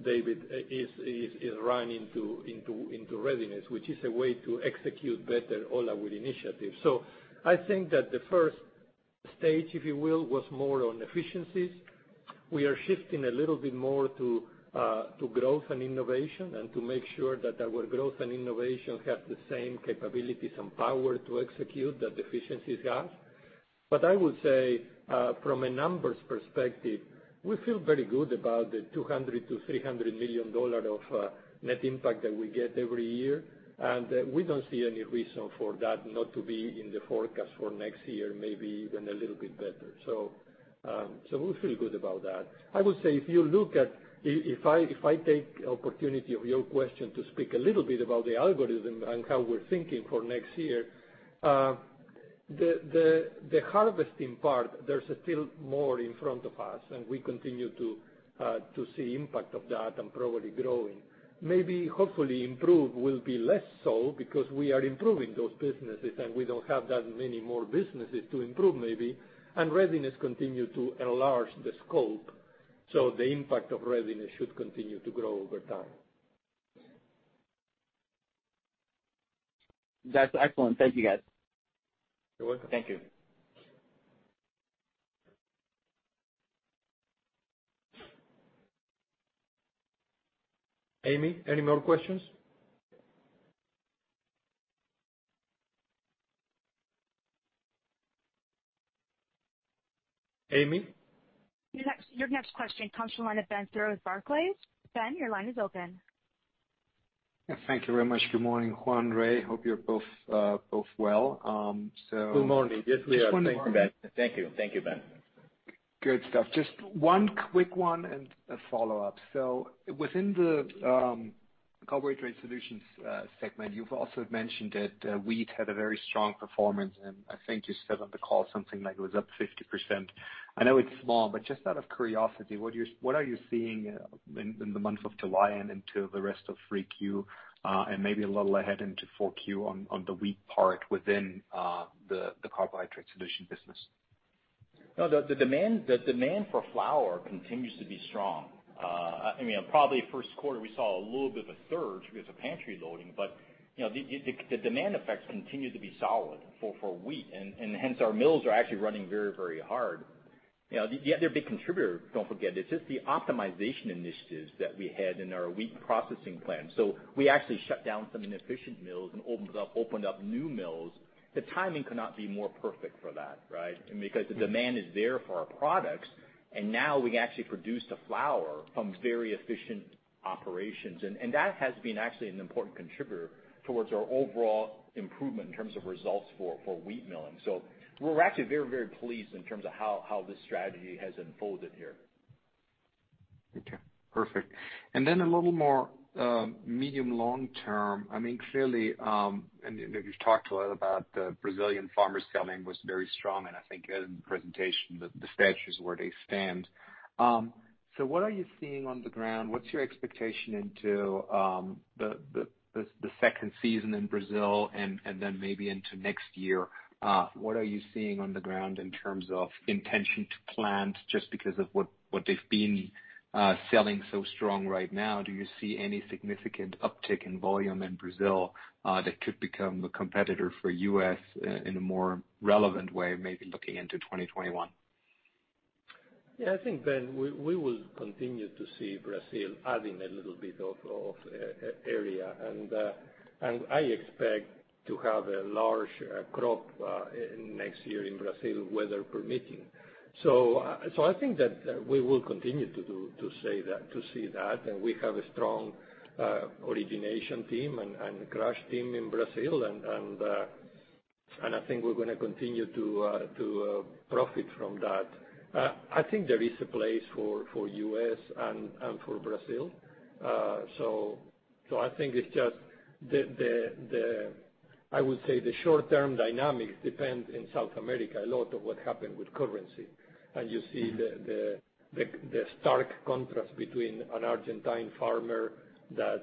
David, is run into Readiness, which is a way to execute better all our initiatives. I think that the first stage, if you will, was more on efficiencies. We are shifting a little bit more to growth and innovation and to make sure that our growth and innovation have the same capabilities and power to execute that the efficiencies have. I would say, from a numbers perspective, we feel very good about the $200 million-$300 million of net impact that we get every year, and we don't see any reason for that not to be in the forecast for next year, maybe even a little bit better. We feel good about that. I would say, if I take opportunity of your question to speak a little bit about the algorithm and how we're thinking for next year. The harvesting part, there's still more in front of us, and we continue to see impact of that and probably growing. Maybe, hopefully, Improve will be less so because we are improving those businesses, and we don't have that many more businesses to improve, maybe. Readiness continue to enlarge the scope, so the impact of Readiness should continue to grow over time. That's excellent. Thank you, guys. You're welcome. Thank you. Amy, any more questions? Amy? Your next question comes from the line of Ben Theurer with Barclays. Ben, your line is open. Thank you very much. Good morning, Juan, Ray. Hope you're both well. Good morning. Yes, we are. Good morning. Thank you, Ben. Good stuff. Just one quick one and a follow-up. Within the Carbohydrate Solutions segment, you've also mentioned that wheat had a very strong performance, and I think you said on the call something like it was up 50%. I know it's small, but just out of curiosity, what are you seeing in the month of July and into the rest of 3Q, and maybe a little ahead into 4Q on the wheat part within the Carbohydrate Solutions business? The demand for flour continues to be strong. Probably first quarter we saw a little bit of a surge because of pantry loading. The demand effects continue to be solid for wheat. Hence our mills are actually running very hard. The other big contributor, don't forget, is just the optimization initiatives that we had in our wheat processing plant. We actually shut down some inefficient mills and opened up new mills. The timing could not be more perfect for that, right? The demand is there for our products. Now we actually produce the flour from very efficient operations. That has been actually an important contributor towards our overall improvement in terms of results for wheat milling. We're actually very pleased in terms of how this strategy has unfolded here. Okay, perfect. A little more medium long-term. You've talked a lot about the Brazilian farmer selling was very strong, and I think in the presentation, the status where they stand. What are you seeing on the ground? What's your expectation into the second season in Brazil and then maybe into next year? What are you seeing on the ground in terms of intention to plant, just because of what they've been selling so strong right now. Do you see any significant uptick in volume in Brazil that could become a competitor for U.S. in a more relevant way, maybe looking into 2021? Yeah, I think, Ben, we will continue to see Brazil adding a little bit of area. I expect to have a large crop next year in Brazil, weather permitting. I think that we will continue to see that. We have a strong origination team and crush team in Brazil, and I think we're going to continue to profit from that. I think there is a place for U.S. and for Brazil. I think it's just the, I would say, the short-term dynamics depend in South America, a lot of what happened with currency. You see the stark contrast between an Argentine farmer that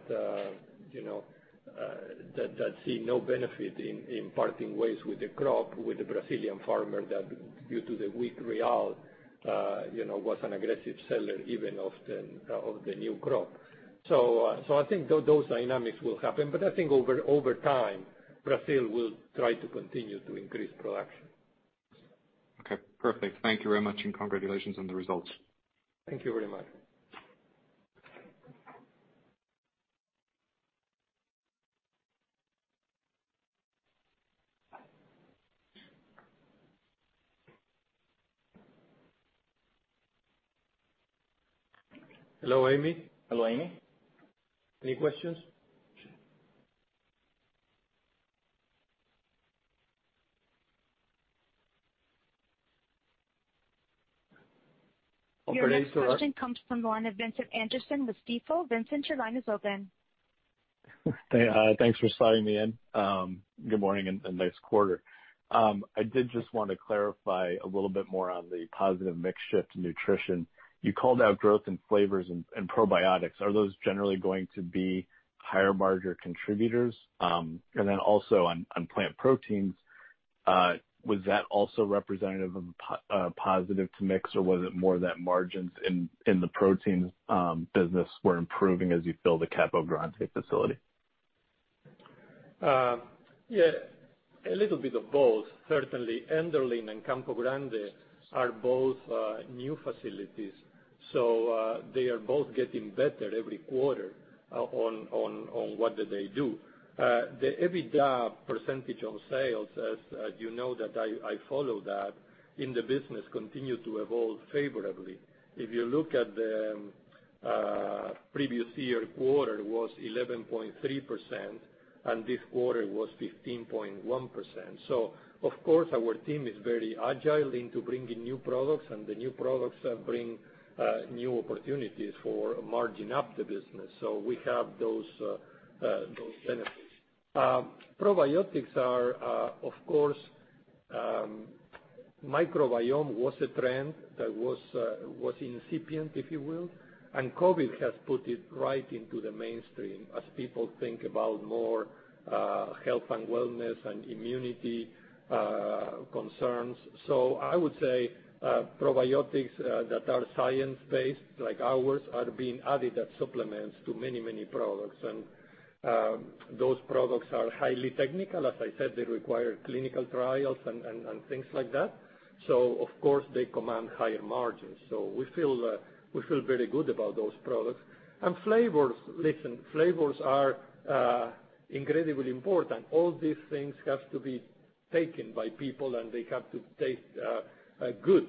see no benefit in parting ways with the crop, with the Brazilian farmer that, due to the weak real, was an aggressive seller even of the new crop. I think those dynamics will happen. I think over time, Brazil will try to continue to increase production. Okay, perfect. Thank you very much, and congratulations on the results. Thank you very much. Hello, Amy. Hello, Amy. Any questions? Your next question comes from the line of Vincent Anderson with Stifel. Vincent, your line is open. Thanks for sliding me in. Good morning and nice quarter. I did just want to clarify a little bit more on the positive mix shift in Nutrition. You called out growth in Flavors and probiotics. Are those generally going to be higher margin contributors? Also on plant proteins, was that also representative of positive to mix or was it more that margins in the proteins business were improving as you build the Campo Grande facility? Yeah, a little bit of both. Certainly, Enderlin and Campo Grande are both new facilities. They are both getting better every quarter on what they do. The EBITDA percentage on sales, as you know that I follow that, in the business continue to evolve favorably. If you look at the previous year quarter was 11.3%, and this quarter was 15.1%. Of course our team is very agile into bringing new products, and the new products bring new opportunities for margin up the business. We have those benefits. Probiotics are, of course, microbiome was a trend that was incipient, if you will. COVID-19 has put it right into the mainstream as people think about more Health & Wellness and immunity concerns. I would say, probiotics that are science-based, like ours, are being added as supplements to many products. Those products are highly technical. As I said, they require clinical trials and things like that. Of course they command higher margins. We feel very good about those products. Flavors, listen, flavors are incredibly important. All these things have to be taken by people, and they have to taste good.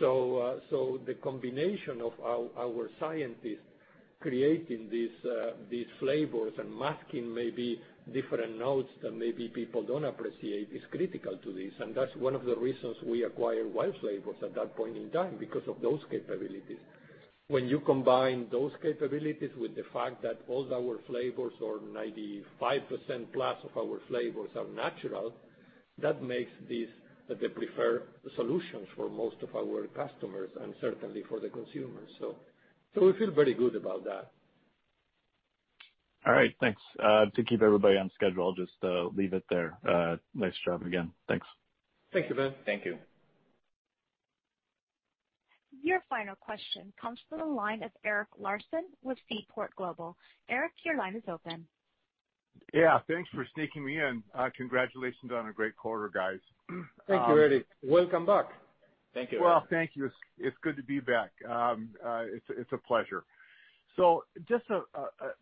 The combination of our scientists creating these flavors and masking maybe different notes that maybe people don't appreciate is critical to this. That's one of the reasons we acquired WILD Flavors at that point in time, because of those capabilities. When you combine those capabilities with the fact that all our flavors or 95%+ of our flavors are natural, that makes this the preferred solution for most of our customers and certainly for the consumer. We feel very good about that. All right, thanks. To keep everybody on schedule, I'll just leave it there. Nice job again. Thanks. Thank you, Ben. Thank you. Your final question comes from the line of Eric Larson with Seaport Global. Eric, your line is open. Yeah, thanks for sneaking me in. Congratulations on a great quarter, guys. Thank you, Erik. Welcome back. Thank you, Erik. Well, thank you. It's good to be back. It's a pleasure. Just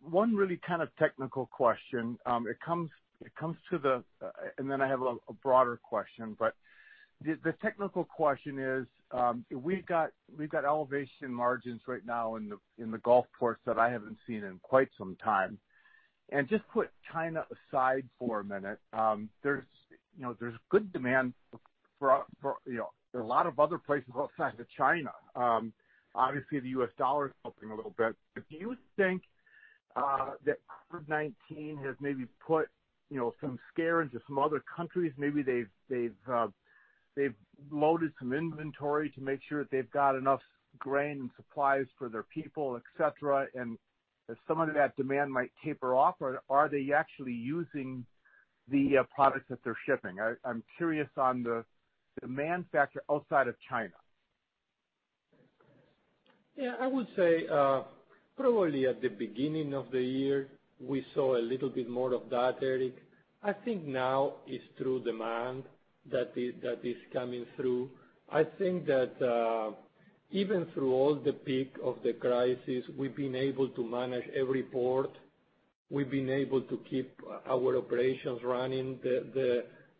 one really kind of technical question. Then I have a broader question, but the technical question is, we've got elevation margins right now in the Gulf ports that I haven't seen in quite some time. Just put China aside for a minute, there's good demand for a lot of other places outside of China. Obviously, the U.S. dollar is helping a little bit. Do you think, that COVID-19 has maybe put some scare into some other countries? Maybe they've loaded some inventory to make sure that they've got enough grain and supplies for their people, et cetera, and if some of that demand might taper off, or are they actually using the products that they're shipping? I'm curious on the demand factor outside of China. Yeah, I would say, probably at the beginning of the year, we saw a little bit more of that, Erik. I think now it's true demand that is coming through. I think that even through all the peak of the crisis, we've been able to manage every port. We've been able to keep our operations running.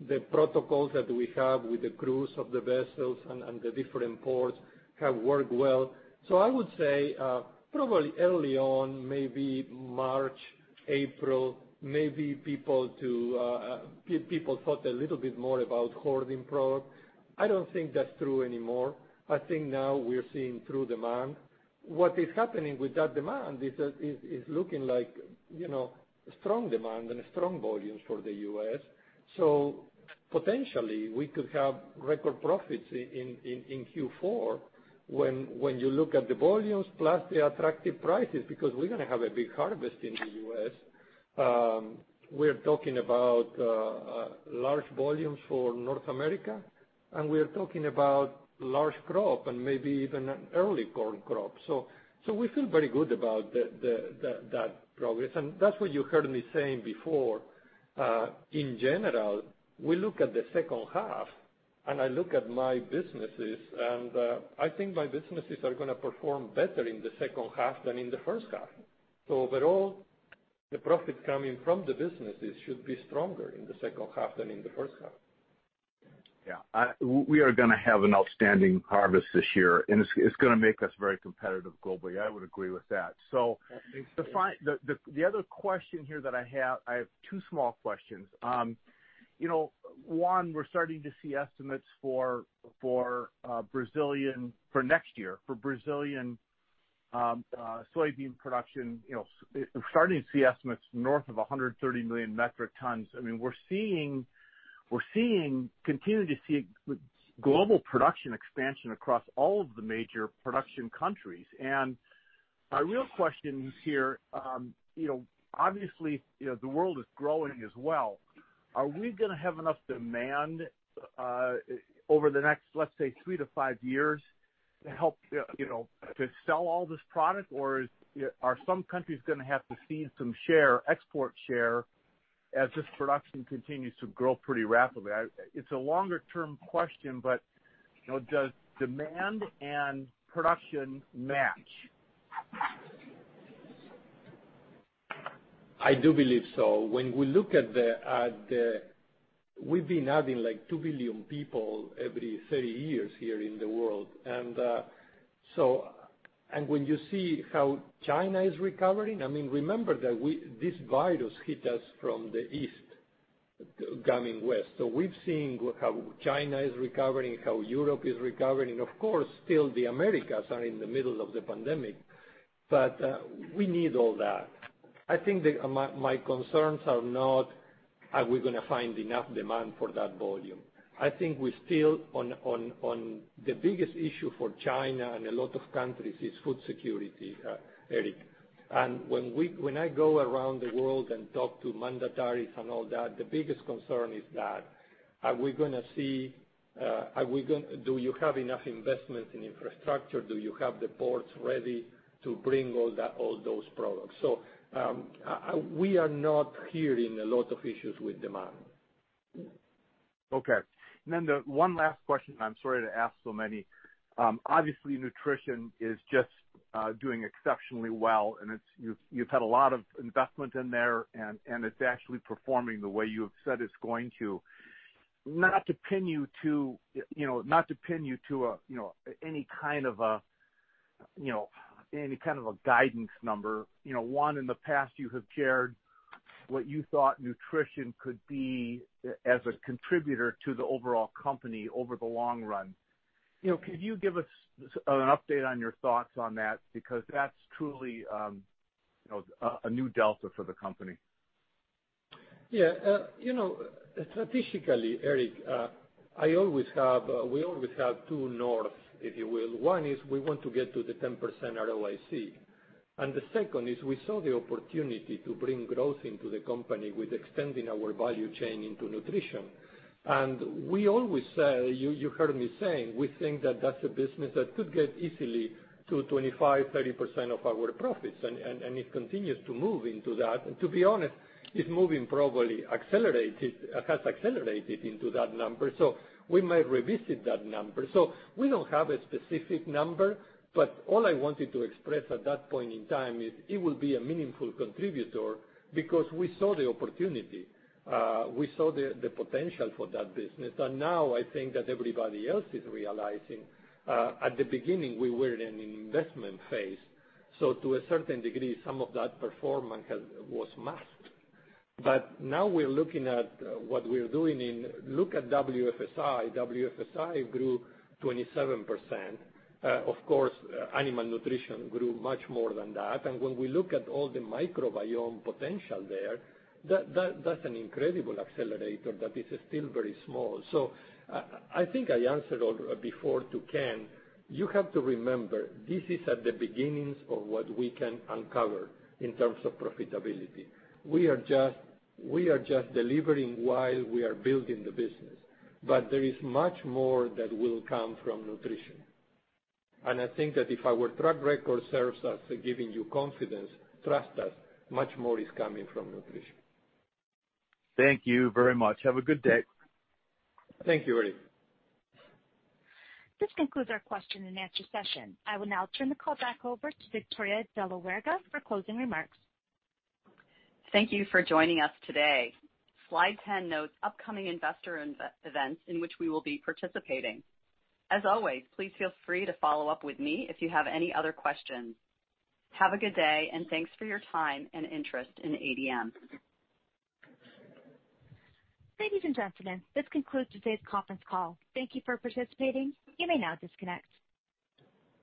The protocols that we have with the crews of the vessels and the different ports have worked well. I would say, probably early on, maybe March, April, maybe people thought a little bit more about hoarding product. I don't think that's true anymore. I think now we're seeing true demand. What is happening with that demand is looking like strong demand and strong volumes for the U.S. Potentially we could have record profits in Q4 when you look at the volumes plus the attractive prices, because we're going to have a big harvest in the U.S. We're talking about large volumes for North America, and we're talking about large crop and maybe even an early corn crop. We feel very good about that progress, and that's what you heard me saying before. In general, we look at the second half and I look at my businesses, and I think my businesses are going to perform better in the second half than in the first half. Overall, the profit coming from the businesses should be stronger in the second half than in the first half. Yeah. We are going to have an outstanding harvest this year. It's going to make us very competitive globally. I would agree with that. I think so. The other question here that I have, I have two small questions. One, we are starting to see estimates for next year for Brazilian soybean production. Starting to see estimates north of 130 million metric tons. We are continuing to see global production expansion across all of the major production countries. My real question here, obviously, the world is growing as well. Are we going to have enough demand over the next, let's say, three to five years to sell all this product, or are some countries going to have to cede some export share as this production continues to grow pretty rapidly? It is a longer-term question, but does demand and production match? I do believe so. We've been adding 2 billion people every 30 years here in the world. When you see how China is recovering, remember that this virus hit us from the east coming west. We've seen how China is recovering, how Europe is recovering, and of course, still the Americas are in the middle of the pandemic. We need all that. I think that my concerns are not, are we going to find enough demand for that volume? I think the biggest issue for China and a lot of countries is food security, Eric. When I go around the world and talk to mandatories and all that, the biggest concern is that. Do you have enough investment in infrastructure? Do you have the ports ready to bring all those products? We are not hearing a lot of issues with demand. Okay. The one last question, I'm sorry to ask so many. Obviously, Nutrition is just doing exceptionally well, and you've had a lot of investment in there, and it's actually performing the way you have said it's going to. Not to pin you to any kind of a guidance number. One, in the past you have shared what you thought Nutrition could be as a contributor to the overall company over the long run. Could you give us an update on your thoughts on that? That's truly a new delta for the company. Strategically, Erik, we always have two norths, if you will. One is we want to get to the 10% ROIC, and the second is we saw the opportunity to bring growth into the company with extending our value chain into Nutrition. We always say, you heard me saying, we think that that's a business that could get easily to 25%-30% of our profits, and it continues to move into that. To be honest, it's moving probably has accelerated into that number. We might revisit that number. We don't have a specific number, but all I wanted to express at that point in time is it will be a meaningful contributor because we saw the opportunity. We saw the potential for that business. Now I think that everybody else is realizing, at the beginning, we were in an investment phase. To a certain degree, some of that performance was masked. Now we're looking at what we're doing, look at WFSI. WFSI grew 27%. Of course, Animal Nutrition grew much more than that. When we look at all the microbiome potential there, that's an incredible accelerator that is still very small. I think I answered before to Ken, you have to remember, this is at the beginnings of what we can uncover in terms of profitability. We are just delivering while we are building the business, but there is much more that will come from Nutrition. I think that if our track record serves us giving you confidence, trust us, much more is coming from Nutrition. Thank you very much. Have a good day. Thank you, Eric. This concludes our question and answer session. I will now turn the call back over to Victoria de la Huerga for closing remarks. Thank you for joining us today. Slide 10 notes upcoming investor events in which we will be participating. As always, please feel free to follow up with me if you have any other questions. Have a good day, and thanks for your time and interest in ADM. Ladies and gentlemen, this concludes today's conference call. Thank you for participating. You may now disconnect.